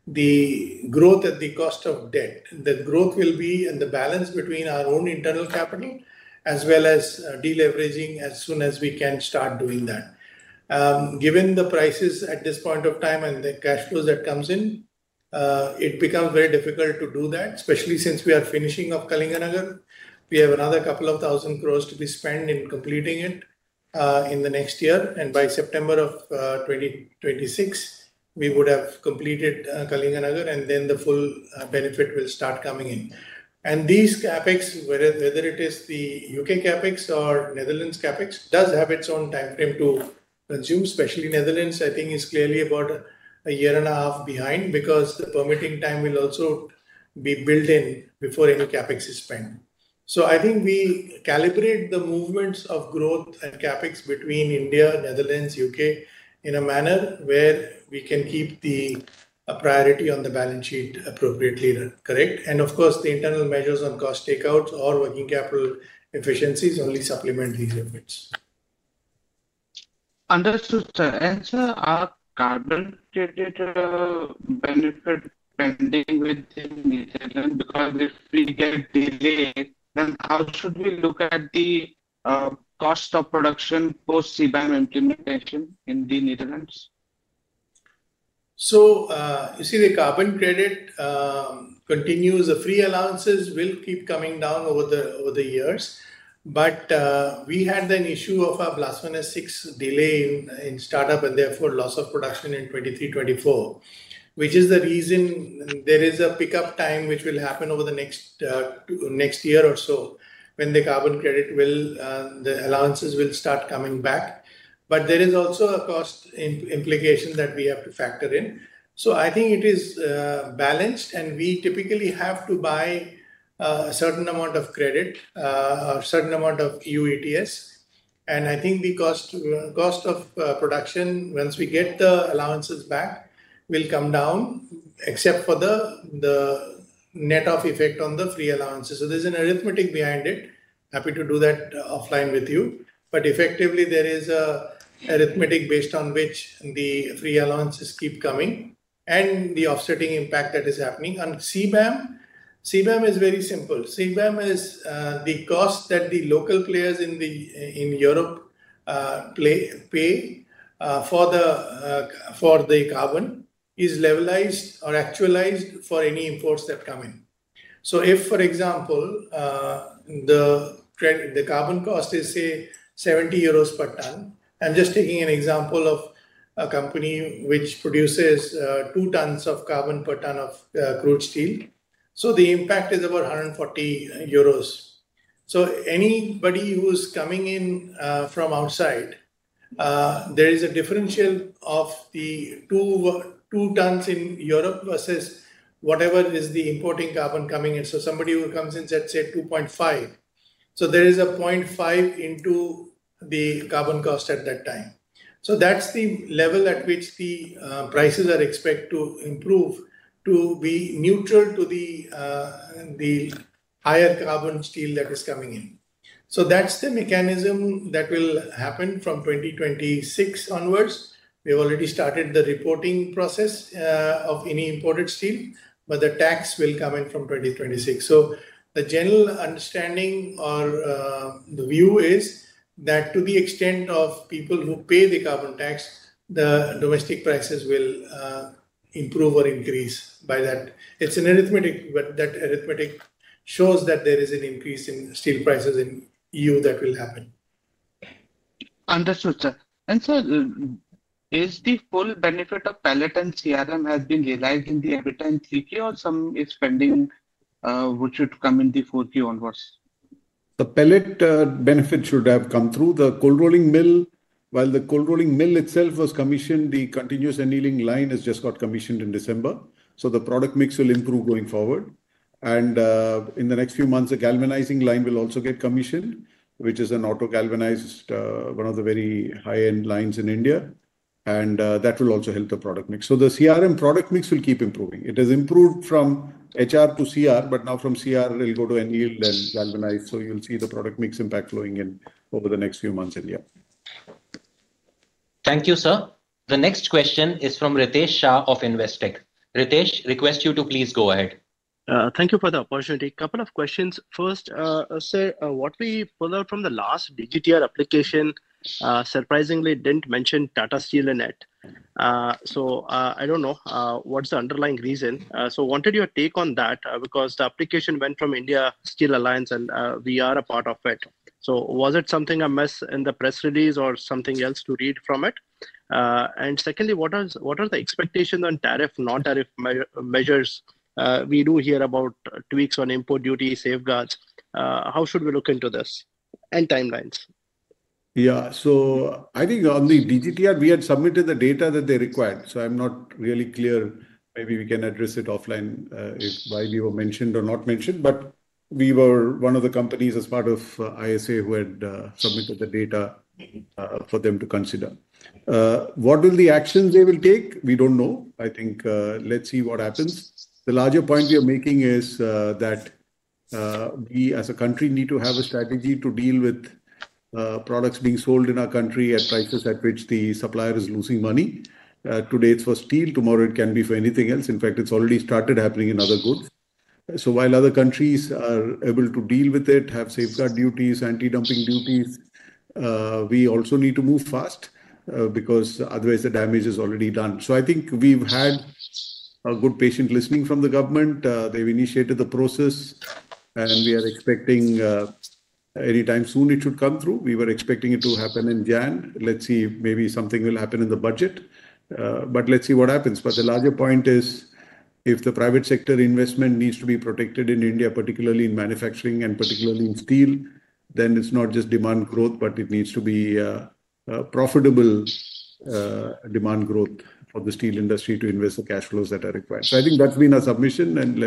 the growth at the cost of debt. The growth will be and the balance between our own internal capital as well as deleveraging as soon as we can start doing that. Given the prices at this point of time and the cash flows that come in, it becomes very difficult to do that, especially since we are finishing up Kalinganagar. We have another 2,000 crores to be spent in completing it in the next year. By September of 2026, we would have completed Kalinganagar, and then the full benefit will start coming in. These CapEx, whether it is the UK CapEx or Netherlands CapEx, does have its own time frame to consume. Especially Netherlands, I think, is clearly about a year and a half behind because the permitting time will also be built in before any CapEx is spent. So I think we calibrate the movements of growth and CapEx between India, Netherlands, U.K. in a manner where we can keep the priority on the balance sheet appropriately correct. And of course, the internal measures on cost takeouts or working capital efficiencies only supplement these efforts. Understood. So as our carbon credit benefit pending with the Netherlands, because if we get delayed, then how should we look at the cost of production post-CBAM implementation in the Netherlands? So you see, the carbon credit continues. The free allowances will keep coming down over the years. But we had the issue of our BF6 delay in startup and therefore loss of production in 2023-24, which is the reason there is a pickup time which will happen over the next year or so when the carbon credit allowances will start coming back. But there is also a cost implication that we have to factor in. So I think it is balanced. And we typically have to buy a certain amount of credit or a certain amount of EU ETS. And I think the cost of production, once we get the allowances back, will come down except for the net of effect on the free allowances. So there's an arithmetic behind it. Happy to do that offline with you. But effectively, there is an arithmetic based on which the free allowances keep coming and the offsetting impact that is happening. And CBAM, CBAM is very simple. CBAM is the cost that the local players in Europe pay for the carbon is levelized or actualized for any imports that come in. So if, for example, the carbon cost is, say, €70 per ton, I'm just taking an example of a company which produces two tons of carbon per ton of crude steel. So the impact is about €140. So anybody who's coming in from outside, there is a differential of the two tons in Europe versus whatever is the importing carbon coming in. So somebody who comes in, let's say, 2.5. So there is a 0.5 into the carbon cost at that time. So that's the level at which the prices are expected to improve to be neutral to the higher carbon steel that is coming in. So that's the mechanism that will happen from 2026 onwards. We have already started the reporting process of any imported steel, but the tax will come in from 2026. So the general understanding or the view is that to the extent of people who pay the carbon tax, the domestic prices will improve or increase by that. It's an arithmetic, but that arithmetic shows that there is an increase in steel prices in EU that will happen. Understood, sir. And sir, is the full benefit of pellet and CRM has been realized in the EBITDA and 3Q, or some spending which should come in the 4Q onwards? The pellet benefit should have come through the cold rolling mill. While the cold rolling mill itself was commissioned, the continuous annealing line has just got commissioned in December. So the product mix will improve going forward. And in the next few months, the galvanizing line will also get commissioned, which is an auto-galvanized, one of the very high-end lines in India. And that will also help the product mix. So the CRM product mix will keep improving. It has improved from HR to CR, but now from CR, it'll go to annealed and galvanized. So you'll see the product mix impact flowing in over the next few months in India. Thank you, sir. The next question is from Ritesh Shah of Investec. Ritesh, request you to please go ahead. Thank you for the opportunity. Couple of questions. First, sir, what we pulled out from the last DGTR application surprisingly didn't mention Tata Steel and NMDC, so I don't know what's the underlying reason, so I wanted your take on that because the application went from India Steel Alliance, and we are a part of it, so was it something I missed in the press release or something else to read from it, and secondly, what are the expectations on tariff, non-tariff measures? We do hear about tweaks on import duty safeguards. How should we look into this and timelines? Yeah. So I think on the DGTR, we had submitted the data that they required. So I'm not really clear. Maybe we can address it offline why we were mentioned or not mentioned. But we were one of the companies as part of ISA who had submitted the data for them to consider. What will the actions they will take? We don't know. I think let's see what happens. The larger point we are making is that we, as a country, need to have a strategy to deal with products being sold in our country at prices at which the supplier is losing money. Today, it's for steel. Tomorrow, it can be for anything else. In fact, it's already started happening in other goods. So while other countries are able to deal with it, have safeguard duties, anti-dumping duties, we also need to move fast because otherwise, the damage is already done. So I think we've had a good patient listening from the government. They've initiated the process, and we are expecting anytime soon it should come through. We were expecting it to happen in January. Let's see. Maybe something will happen in the budget. But let's see what happens. But the larger point is if the private sector investment needs to be protected in India, particularly in manufacturing and particularly in steel, then it's not just demand growth, but it needs to be profitable demand growth for the steel industry to invest the cash flows that are required. So I think that's been our submission. And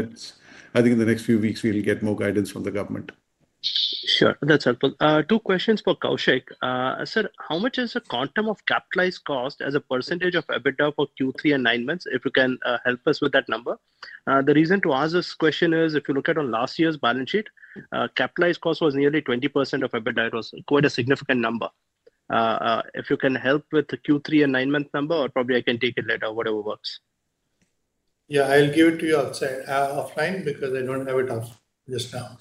I think in the next few weeks, we'll get more guidance from the government. Sure. That's helpful. Two questions for Koushik. Sir, how much is the quantum of capitalized cost as a percentage of EBITDA for Q3 and nine months? If you can help us with that number. The reason to ask this question is if you look at last year's balance sheet, capitalized cost was nearly 20% of EBITDA. It was quite a significant number. If you can help with the Q3 and nine-month number, or probably I can take it later, whatever works. Yeah. I'll give it to you offline because I don't have it off just now.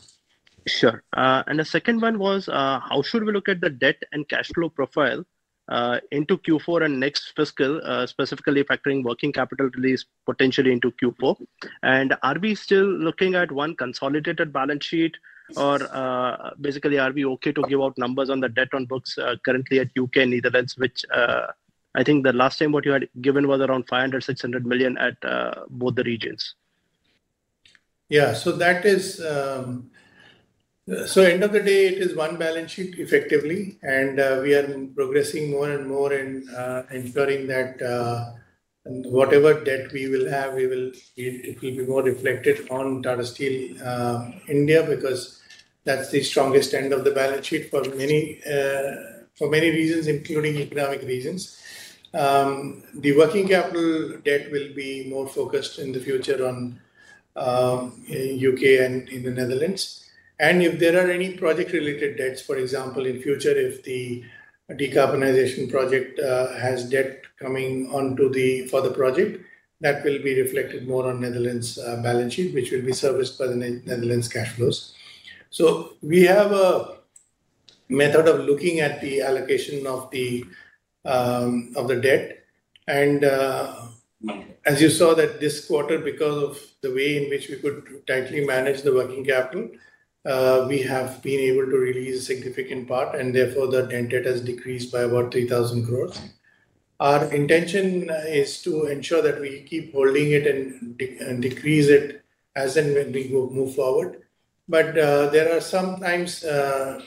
Sure. And the second one was how should we look at the debt and cash flow profile into Q4 and next fiscal, specifically factoring working capital release potentially into Q4? And are we still looking at one consolidated balance sheet? Or basically, are we okay to give out numbers on the debt on books currently at U.K. and Netherlands, which I think the last time what you had given was around $500-$600 million at both the regions? Yeah. So end of the day, it is one balance sheet effectively. And we are progressing more and more in ensuring that whatever debt we will have, it will be more reflected on Tata Steel India because that's the strongest end of the balance sheet for many reasons, including economic reasons. The working capital debt will be more focused in the future on U.K. and in the Netherlands. And if there are any project-related debts, for example, in future, if the decarbonization project has debt coming onto the further project, that will be reflected more on Netherlands' balance sheet, which will be serviced by the Netherlands' cash flows. So we have a method of looking at the allocation of the debt. And as you saw that this quarter, because of the way in which we could tightly manage the working capital, we have been able to release a significant part. And therefore, the debt has decreased by about ₹3,000 crores. Our intention is to ensure that we keep holding it and decrease it as we move forward. But there are sometimes,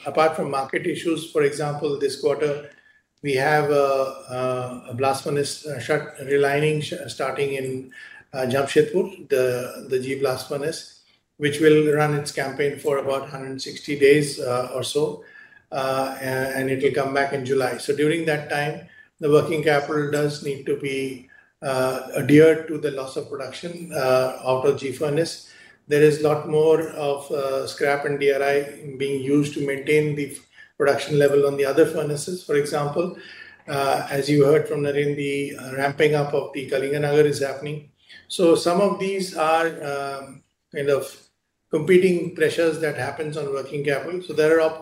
apart from market issues, for example, this quarter, we have a blast furnace relining starting in Jamshedpur, the G blast furnace, which will run its campaign for about 160 days or so. And it'll come back in July. So during that time, the working capital does need to be adhered to the loss of production out of G furnace. There is a lot more of scrap and DRI being used to maintain the production level on the other furnaces. For example, as you heard from Narendran, the ramping up of the Kalinganagar is happening. So some of these are kind of competing pressures that happen on working capital. So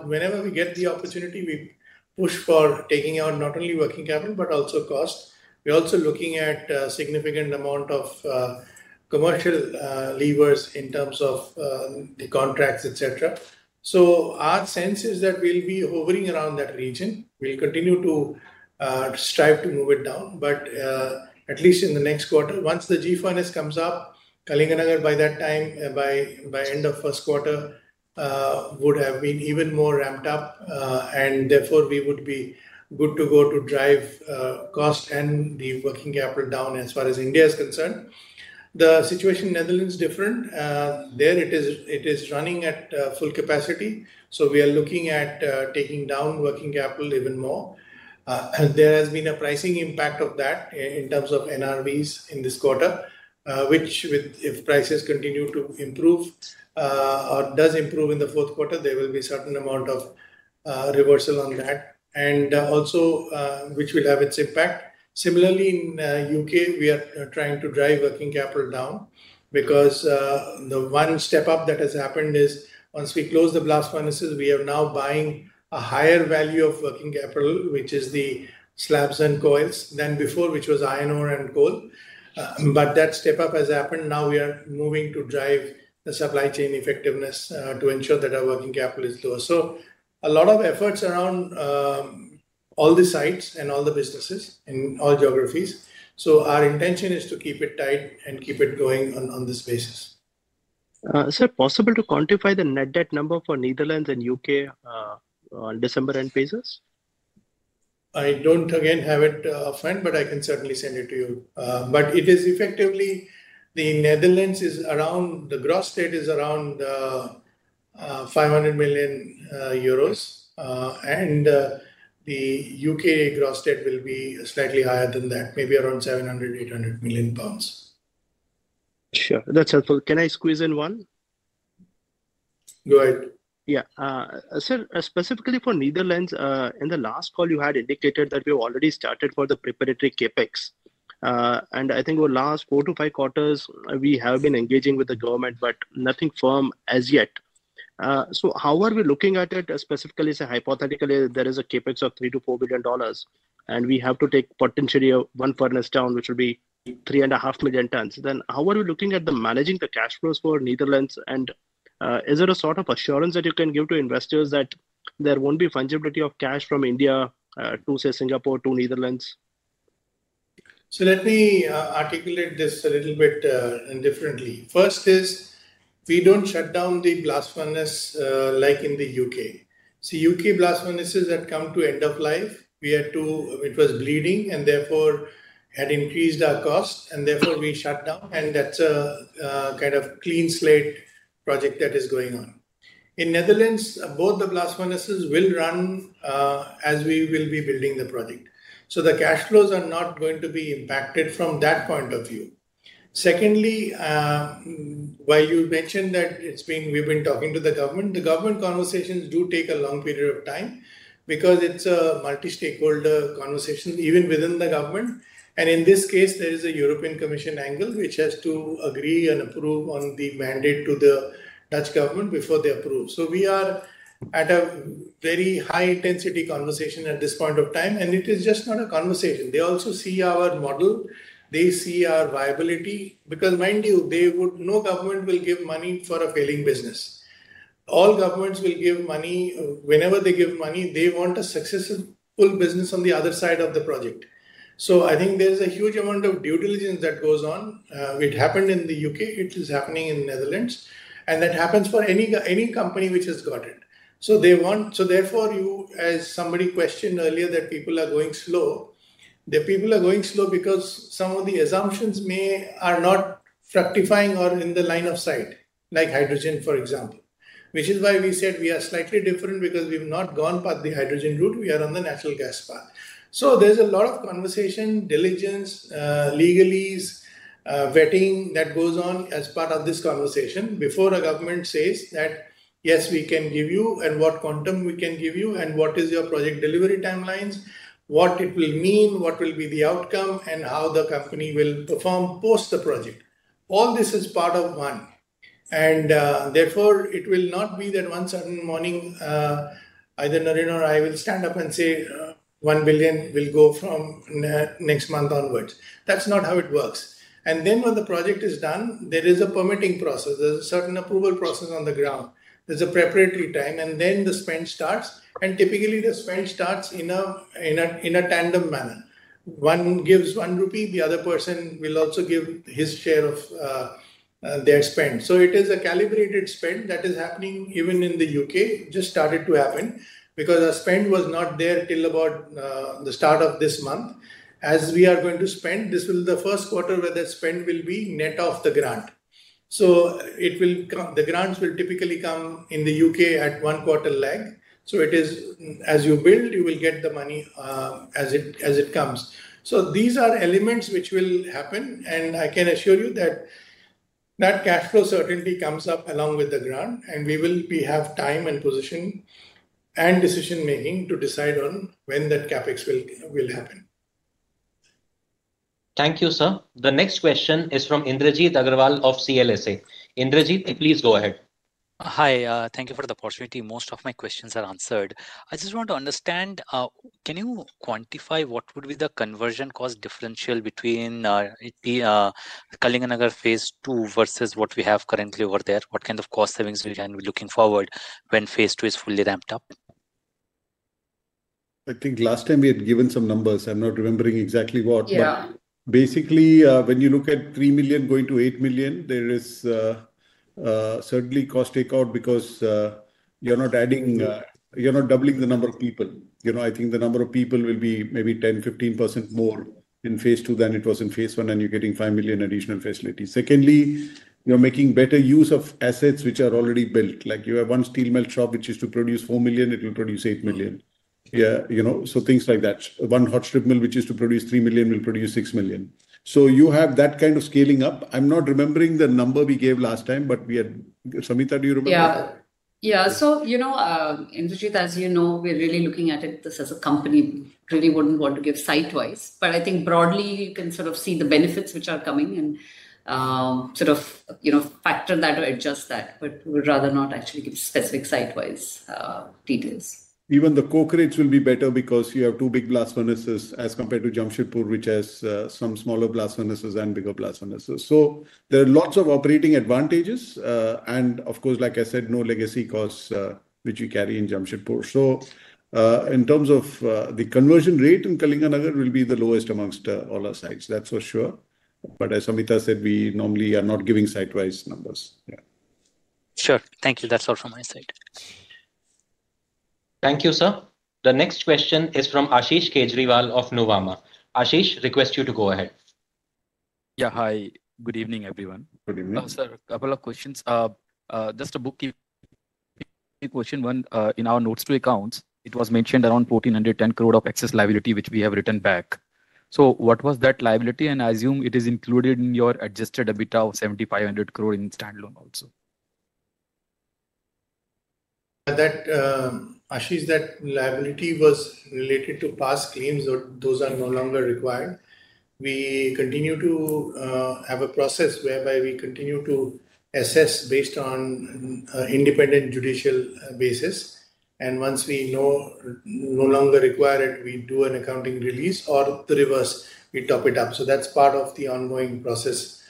whenever we get the opportunity, we push for taking out not only working capital, but also cost. We're also looking at a significant amount of commercial levers in terms of the contracts, etc. So our sense is that we'll be hovering around that region. We'll continue to strive to move it down. But at least in the next quarter, once the G furnace comes up, Kalinganagar by that time, by end of first quarter, would have been even more ramped up. And therefore, we would be good to go to drive cost and the working capital down as far as India is concerned. The situation in Netherlands is different. There it is running at full capacity. So we are looking at taking down working capital even more. There has been a pricing impact of that in terms of NRVs in this quarter, which if prices continue to improve or do improve in the fourth quarter, there will be a certain amount of reversal on that, and also which will have its impact. Similarly, in U.K., we are trying to drive working capital down because the one step up that has happened is once we close the blast furnaces, we are now buying a higher value of working capital, which is the slabs and coils than before, which was iron ore and coal. But that step up has happened. Now we are moving to drive the supply chain effectiveness to ensure that our working capital is lower. So a lot of efforts around all the sites and all the businesses in all geographies. So our intention is to keep it tight and keep it going on this basis. Sir, possible to quantify the net debt number for Netherlands and UK on December end basis? I don't again have it offhand, but I can certainly send it to you. But it is effectively the Netherlands is around the gross debt is around 500 million euros. And the UK gross debt will be slightly higher than that, maybe around 700-800 million pounds. Sure. That's helpful. Can I squeeze in one? Go ahead. Yeah. Sir, specifically for Netherlands, in the last call, you had indicated that we have already started for the preparatory CapEx. And I think over the last four to five quarters, we have been engaging with the government, but nothing firm as yet. So how are we looking at it? Specifically, say hypothetically, there is a CapEx of $3-$4 billion, and we have to take potentially one furnace down, which will be 3.5 million tons. Then how are we looking at managing the cash flows for Netherlands? And is there a sort of assurance that you can give to investors that there won't be fungibility of cash from India to, say, Singapore to Netherlands? So let me articulate this a little bit differently. First is we don't shut down the blast furnace like in the U.K. See, U.K. blast furnaces had come to end of life. It was bleeding, and therefore had increased our cost. And therefore, we shut down. And that's a kind of clean slate project that is going on. In Netherlands, both the blast furnaces will run as we will be building the project. So the cash flows are not going to be impacted from that point of view. Secondly, why you mentioned that we've been talking to the government, the government conversations do take a long period of time because it's a multi-stakeholder conversation even within the government. And in this case, there is a European Commission angle which has to agree and approve on the mandate to the Dutch government before they approve. So we are at a very high-intensity conversation at this point of time. And it is just not a conversation. They also see our model. They see our viability because mind you, no government will give money for a failing business. All governments will give money. Whenever they give money, they want a successful business on the other side of the project. So I think there's a huge amount of due diligence that goes on. It happened in the U.K. It is happening in Netherlands. And that happens for any company which has got it. So therefore, as somebody questioned earlier that people are going slow, the people are going slow because some of the assumptions are not fructifying or in the line of sight, like hydrogen, for example, which is why we said we are slightly different because we've not gone past the hydrogen route. We are on the natural gas path. So there's a lot of conversation, diligence, legalese, vetting that goes on as part of this conversation before a government says that, yes, we can give you and what quantum we can give you and what is your project delivery timelines, what it will mean, what will be the outcome, and how the company will perform post the project. All this is part of one. And therefore, it will not be that one certain morning, either Narendran or I will stand up and say, "1 billion will go from next month onwards." That's not how it works. And then when the project is done, there is a permitting process. There's a certain approval process on the ground. There's a preparatory time. And then the spend starts. And typically, the spend starts in a tandem manner. One gives 1 rupee. The other person will also give his share of their spend, so it is a calibrated spend that is happening even in the U.K. It just started to happen because our spend was not there till about the start of this month. As we are going to spend, this will be the first quarter where the spend will be net of the grant, so the grants will typically come in the U.K. at one-quarter lag, so as you build, you will get the money as it comes, so these are elements which will happen, and I can assure you that that cash flow certainty comes up along with the grant, and we will have time and position and decision-making to decide on when that CapEx will happen. Thank you, sir. The next question is from Indrajit Agarwal of CLSA. Indrajit, please go ahead. Hi. Thank you for the opportunity. Most of my questions are answered. I just want to understand, can you quantify what would be the conversion cost differential between Kalinganagar phase two versus what we have currently over there? What kind of cost savings can we be looking forward when phase two is fully ramped up? I think last time we had given some numbers. I'm not remembering exactly what. But basically, when you look at 3 million going to 8 million, there is certainly cost takeout because you're not doubling the number of people. I think the number of people will be maybe 10-15% more in phase two than it was in phase one, and you're getting 5 million additional facilities. Secondly, you're making better use of assets which are already built. Like you have one steel melt shop, which is to produce 4 million. It will produce 8 million. So things like that. One hot strip mill, which is to produce 3 million, will produce 6 million. So you have that kind of scaling up. I'm not remembering the number we gave last time, but Samita, do you remember? Yeah. Yeah. So Indrajit, as you know, we're really looking at it as a company. We really wouldn't want to give site-wise. But I think broadly, you can sort of see the benefits which are coming and sort of factor that or adjust that. But we'd rather not actually give specific site-wise details. Even the coke rates will be better because you have two big blast furnaces as compared to Jamshedpur, which has some smaller blast furnaces and bigger blast furnaces. There are lots of operating advantages. Of course, like I said, no legacy costs which we carry in Jamshedpur. In terms of the conversion rate in Kalinganagar, it will be the lowest among all our sites. That's for sure. But as Samita said, we normally are not giving site-wise numbers. Yeah. Sure. Thank you. That's all from my side. Thank you, sir. The next question is from Ashish Kejriwal of Nuvama. Ashish, request you to go ahead. Yeah. Hi. Good evening, everyone. Good evening. Sir, a couple of questions. Just a bookkeeping question. In our notes to accounts, it was mentioned around ₹1,410 crore of excess liability, which we have written back. So what was that liability? And I assume it is included in your adjusted EBITDA of ₹7,500 crore in standalone also. Ashish, that liability was related to past claims. Those are no longer required. We continue to have a process whereby we continue to assess based on an independent actuarial basis. And once we know no longer require it, we do an accounting release or the reverse. We top it up. So that's part of the ongoing process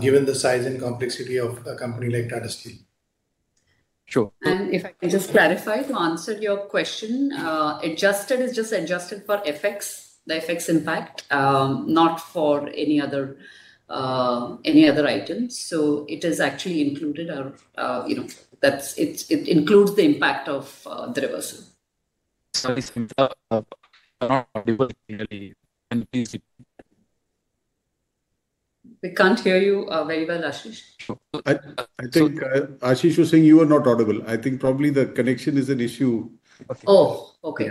given the size and complexity of a company like Tata Steel. Sure. If I can just clarify to answer your question, adjusted is just adjusted for FX, the FX impact, not for any other items. It is actually included. It includes the impact of the reversal. We can't hear you very well, Ashish. I think Ashish was saying you were not audible. I think probably the connection is an issue. Oh, okay.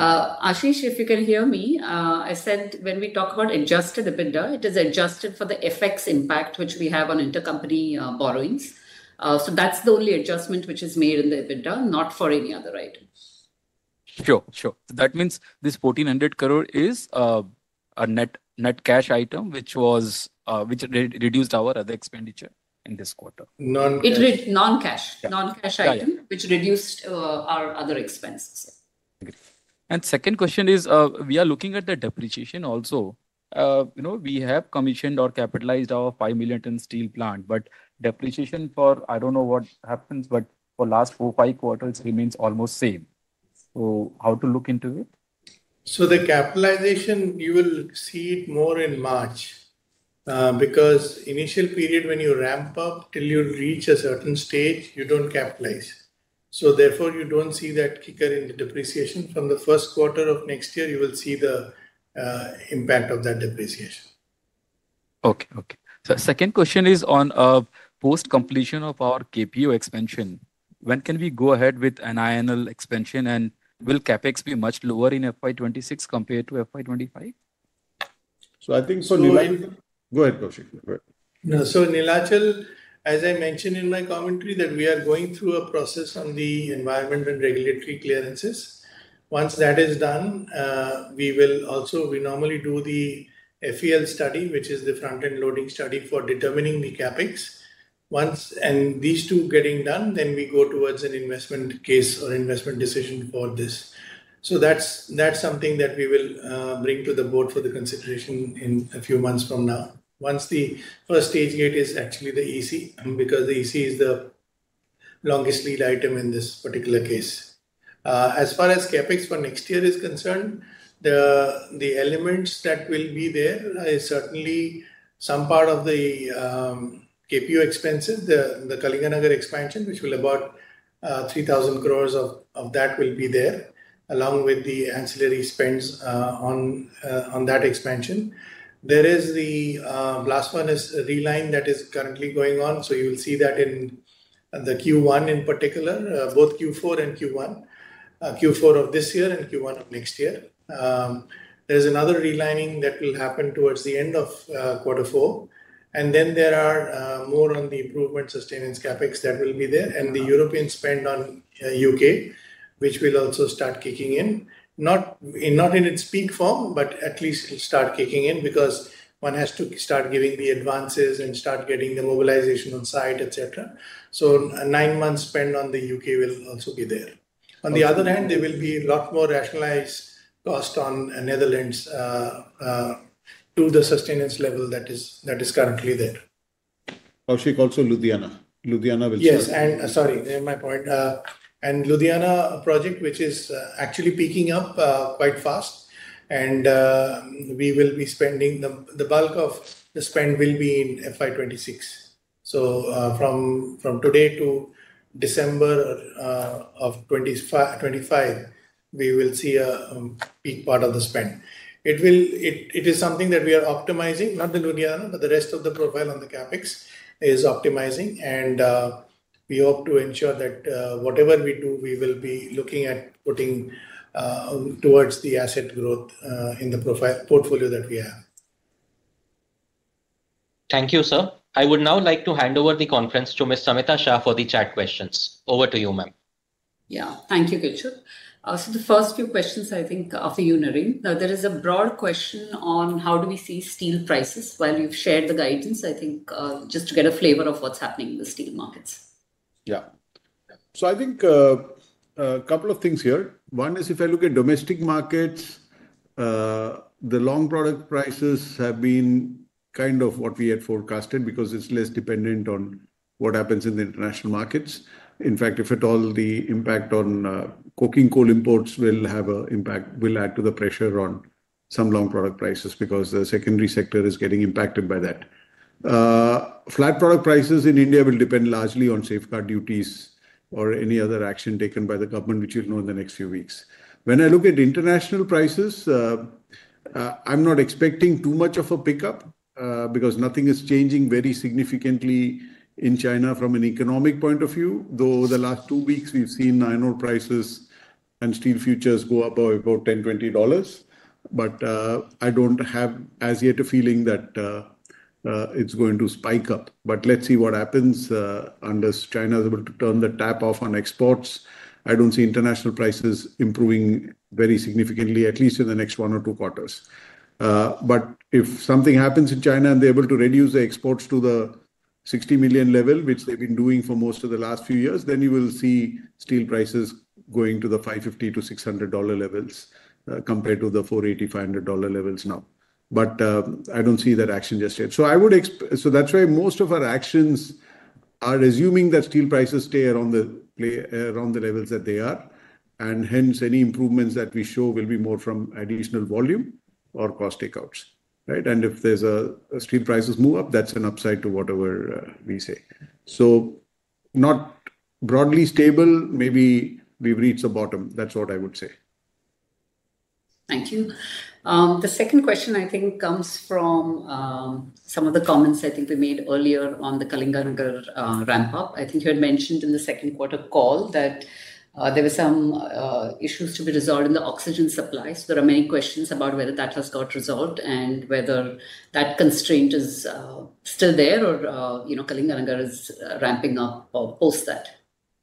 Ashish, if you can hear me, I said when we talk about adjusted EBITDA, it is adjusted for the FX impact which we have on intercompany borrowings. So that's the only adjustment which is made in the EBITDA, not for any other item. Sure. Sure. That means this 1,400 crore is a net cash item which reduced our other expenditure in this quarter. Non-cash. Non-cash item, which reduced our other expenses. Second question is we are looking at the depreciation also. We have commissioned or capitalized our 5-million-ton steel plant, but depreciation for, I don't know, what happens, but for last four, five quarters remains almost same. How to look into it? So, the capitalization, you will see it more in March because initial period when you ramp up till you reach a certain stage, you don't capitalize. So therefore, you don't see that kicker in the depreciation. From the first quarter of next year, you will see the impact of that depreciation. So second question is on post-completion of our KPO expansion. When can we go ahead with a NINL expansion? And will CapEx be much lower in FY26 compared to FY25? I think. So Neelachal. Go ahead, Koushik. So, Neelachal, as I mentioned in my commentary, that we are going through a process on the environment and regulatory clearances. Once that is done, we will also normally do the FEL study, which is the front-end loading study for determining the CapEx. And these two getting done, then we go towards an investment case or investment decision for this. So that's something that we will bring to the board for the consideration in a few months from now. Once the first stage gate is actually the EC because the EC is the longest lead item in this particular case. As far as CapEx for next year is concerned, the elements that will be there is certainly some part of the capex expenses, the Kalinganagar expansion, which will be about ₹3,000 crores of that will be there along with the ancillary spends on that expansion. There is the blast furnace reline that is currently going on. So you will see that in the Q1 in particular, both Q4 and Q1, Q4 of this year and Q1 of next year. There's another relining that will happen towards the end of quarter four. And then there are more on the improvement sustaining CapEx that will be there and the European spend on UK, which will also start kicking in. Not in its peak form, but at least it'll start kicking in because one has to start giving the advances and start getting the mobilization on site, etc. So nine months spend on the UK will also be there. On the other hand, there will be a lot more rationalized cost on Netherlands to the sustaining level that is currently there. Ashish, also Ludhiana. Ludhiana will start. Yes. And sorry, my point and Ludhiana project, which is actually picking up quite fast and we will be spending the bulk of the spend will be in FY26 so from today to December of 2025, we will see a peak part of the spend. It is something that we are optimizing, not the Ludhiana, but the rest of the profile on the CapEx is optimizing and we hope to ensure that whatever we do, we will be looking at putting towards the asset growth in the portfolio that we have. Thank you, sir. I would now like to hand over the conference to Ms. Samita Shah for the chat questions. Over to you, ma'am. Yeah. Thank you, Keshav. So the first few questions, I think, after you, Narendran. There is a broad question on how do we see steel prices while you've shared the guidance, I think, just to get a flavor of what's happening in the steel markets. Yeah. So I think a couple of things here. One is if I look at domestic markets, the long product prices have been kind of what we had forecasted because it's less dependent on what happens in the international markets. In fact, if at all, the impact on coking coal imports will have an impact, will add to the pressure on some long product prices because the secondary sector is getting impacted by that. Flat product prices in India will depend largely on safeguard duties or any other action taken by the government, which you'll know in the next few weeks. When I look at international prices, I'm not expecting too much of a pickup because nothing is changing very significantly in China from an economic point of view, though the last two weeks, we've seen iron ore prices and steel futures go up by about $10-$20. But I don't have as yet a feeling that it's going to spike up. But let's see what happens unless China is able to turn the tap off on exports. I don't see international prices improving very significantly, at least in the next one or two quarters. But if something happens in China and they're able to reduce the exports to the 60 million level, which they've been doing for most of the last few years, then you will see steel prices going to the $550-$600 levels compared to the $480-$500 levels now. But I don't see that action just yet. So that's why most of our actions are assuming that steel prices stay around the levels that they are. And hence, any improvements that we show will be more from additional volume or cost takeouts. If there's a steel prices move up, that's an upside to whatever we say. Not broadly stable. Maybe we've reached the bottom. That's what I would say. Thank you. The second question, I think, comes from some of the comments I think we made earlier on the Kalinganagar ramp-up. I think you had mentioned in the second quarter call that there were some issues to be resolved in the oxygen supply. So there are many questions about whether that has got resolved and whether that constraint is still there or Kalinganagar is ramping up post that.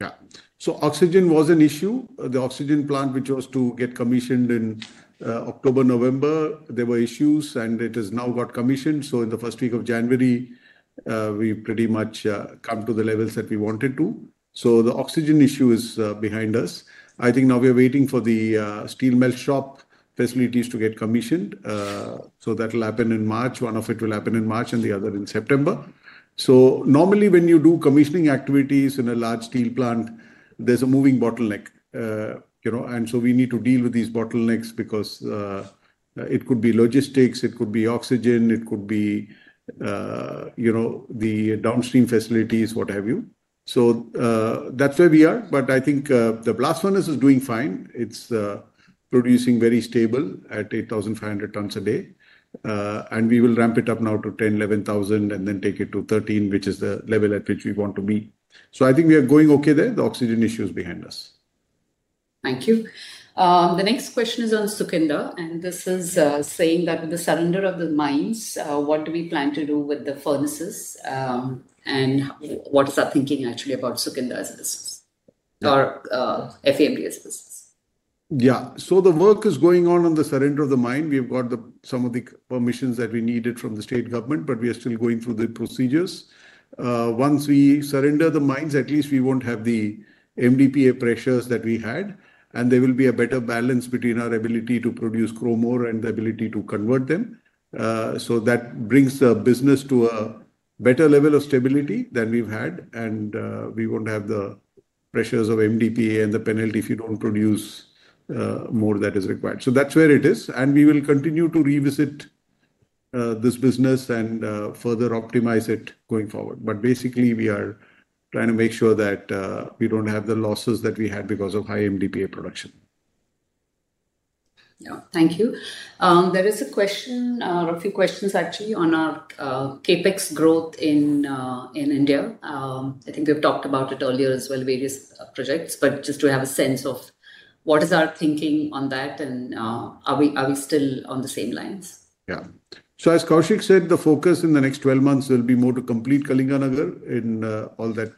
Yeah. So oxygen was an issue. The oxygen plant, which was to get commissioned in October, November, there were issues, and it has now got commissioned. So in the first week of January, we pretty much come to the levels that we wanted to. So the oxygen issue is behind us. I think now we are waiting for the steel mill shop facilities to get commissioned. So that will happen in March. One of it will happen in March and the other in September. So normally, when you do commissioning activities in a large steel plant, there's a moving bottleneck. And so we need to deal with these bottlenecks because it could be logistics, it could be oxygen, it could be the downstream facilities, what have you. So that's where we are. But I think the blast furnace is doing fine. It's producing very stable at 8,500 tons a day. And we will ramp it up now to 10, 11,000, and then take it to 13, which is the level at which we want to be. So I think we are going okay there. The oxygen issue is behind us. Thank you. The next question is on Sukinda. And this is saying that with the surrender of the mines, what do we plan to do with the furnaces? And what is our thinking actually about Sukinda's business or FAMD's business? Yeah. So the work is going on on the surrender of the mine. We have got some of the permissions that we needed from the state government, but we are still going through the procedures. Once we surrender the mines, at least we won't have the MDPA pressures that we had. And there will be a better balance between our ability to produce chrome ore and the ability to convert them. So that brings the business to a better level of stability than we've had. And we won't have the pressures of MDPA and the penalty if you don't produce more that is required. So that's where it is. And we will continue to revisit this business and further optimize it going forward. But basically, we are trying to make sure that we don't have the losses that we had because of high MDPA production. Yeah. Thank you. There is a question or a few questions, actually, on our CapEx growth in India. I think we've talked about it earlier as well, various projects. But just to have a sense of what is our thinking on that and are we still on the same lines? Yeah. So as Koushik said, the focus in the next 12 months will be more to complete Kalinganagar and all that.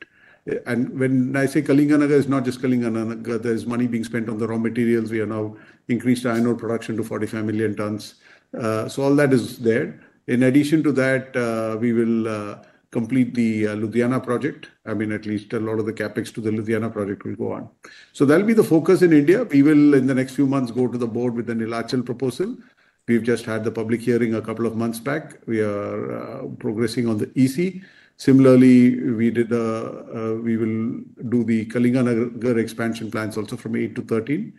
And when I say Kalinganagar, it's not just Kalinganagar. There is money being spent on the raw materials. We have now increased iron ore production to 45 million tons. So all that is there. In addition to that, we will complete the Ludhiana project. I mean, at least a lot of the CapEx to the Ludhiana project will go on. So that'll be the focus in India. We will, in the next few months, go to the board with the Neelachal proposal. We've just had the public hearing a couple of months back. We are progressing on the EC. Similarly, we will do the Kalinganagar expansion plans also from 8 to 13.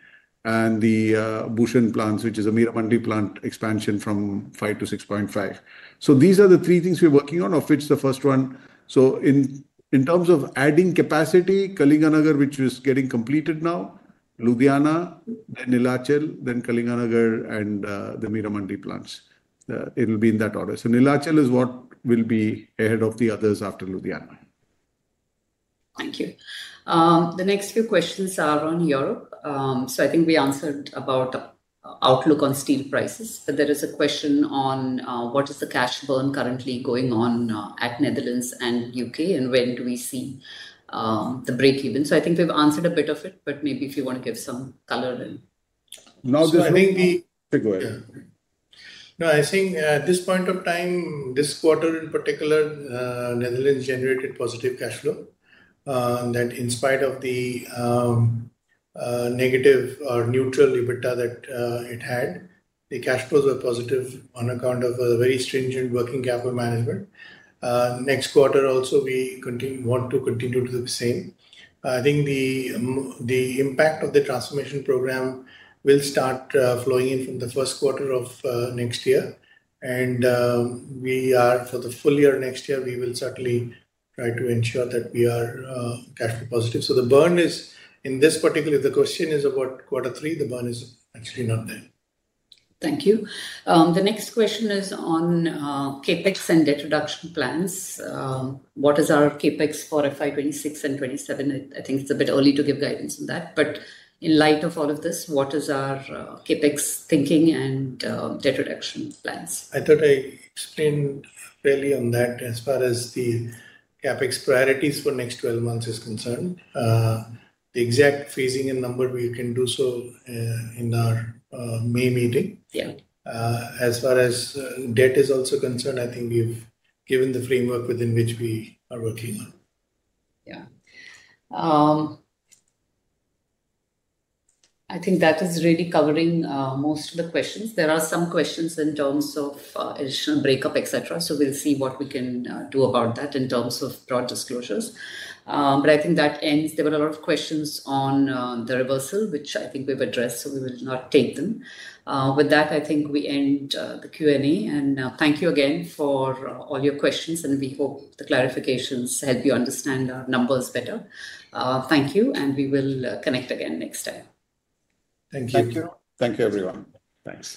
And the Bhushan plant, which is the Meramandali plant expansion from 5 to 6.5. So these are the three things we're working on, of which the first one, so in terms of adding capacity, Kalinganagar, which is getting completed now, Ludhiana, then Neelachal, then Kalinganagar, and the Meramandali plants. It will be in that order, so Neelachal is what will be ahead of the others after Ludhiana. Thank you. The next few questions are on Europe. So I think we answered about the outlook on steel prices. But there is a question on what is the cash burn currently going on at Netherlands and UK, and when do we see the breakeven? So I think we've answered a bit of it, but maybe if you want to give some color. No, I think we. Go ahead. No, I think at this point of time, this quarter in particular, Netherlands generated positive cash flow. That in spite of the negative or neutral EBITDA that it had, the cash flows were positive on account of a very stringent working capital management. Next quarter also, we want to continue to do the same. I think the impact of the transformation program will start flowing in from the first quarter of next year. And for the full year next year, we will certainly try to ensure that we are cash flow positive. So the burn is in this particular, the question is about quarter three. The burn is actually not there. Thank you. The next question is on CapEx and debt reduction plans. What is our CapEx for FY26 and FY27? I think it's a bit early to give guidance on that. But in light of all of this, what is our CapEx thinking and debt reduction plans? I thought I explained fairly on that as far as the CapEx priorities for next 12 months is concerned. The exact phasing and number, we can do so in our May meeting. As far as debt is also concerned, I think we've given the framework within which we are working on. Yeah. I think that is really covering most of the questions. There are some questions in terms of additional breakup, etc. So we'll see what we can do about that in terms of broad disclosures. But I think that ends. There were a lot of questions on the reversal, which I think we've addressed, so we will not take them. With that, I think we end the Q&A. And thank you again for all your questions. And we hope the clarifications help you understand our numbers better. Thank you. And we will connect again next time. Thank you. Thank you. Thank you, everyone. Thanks.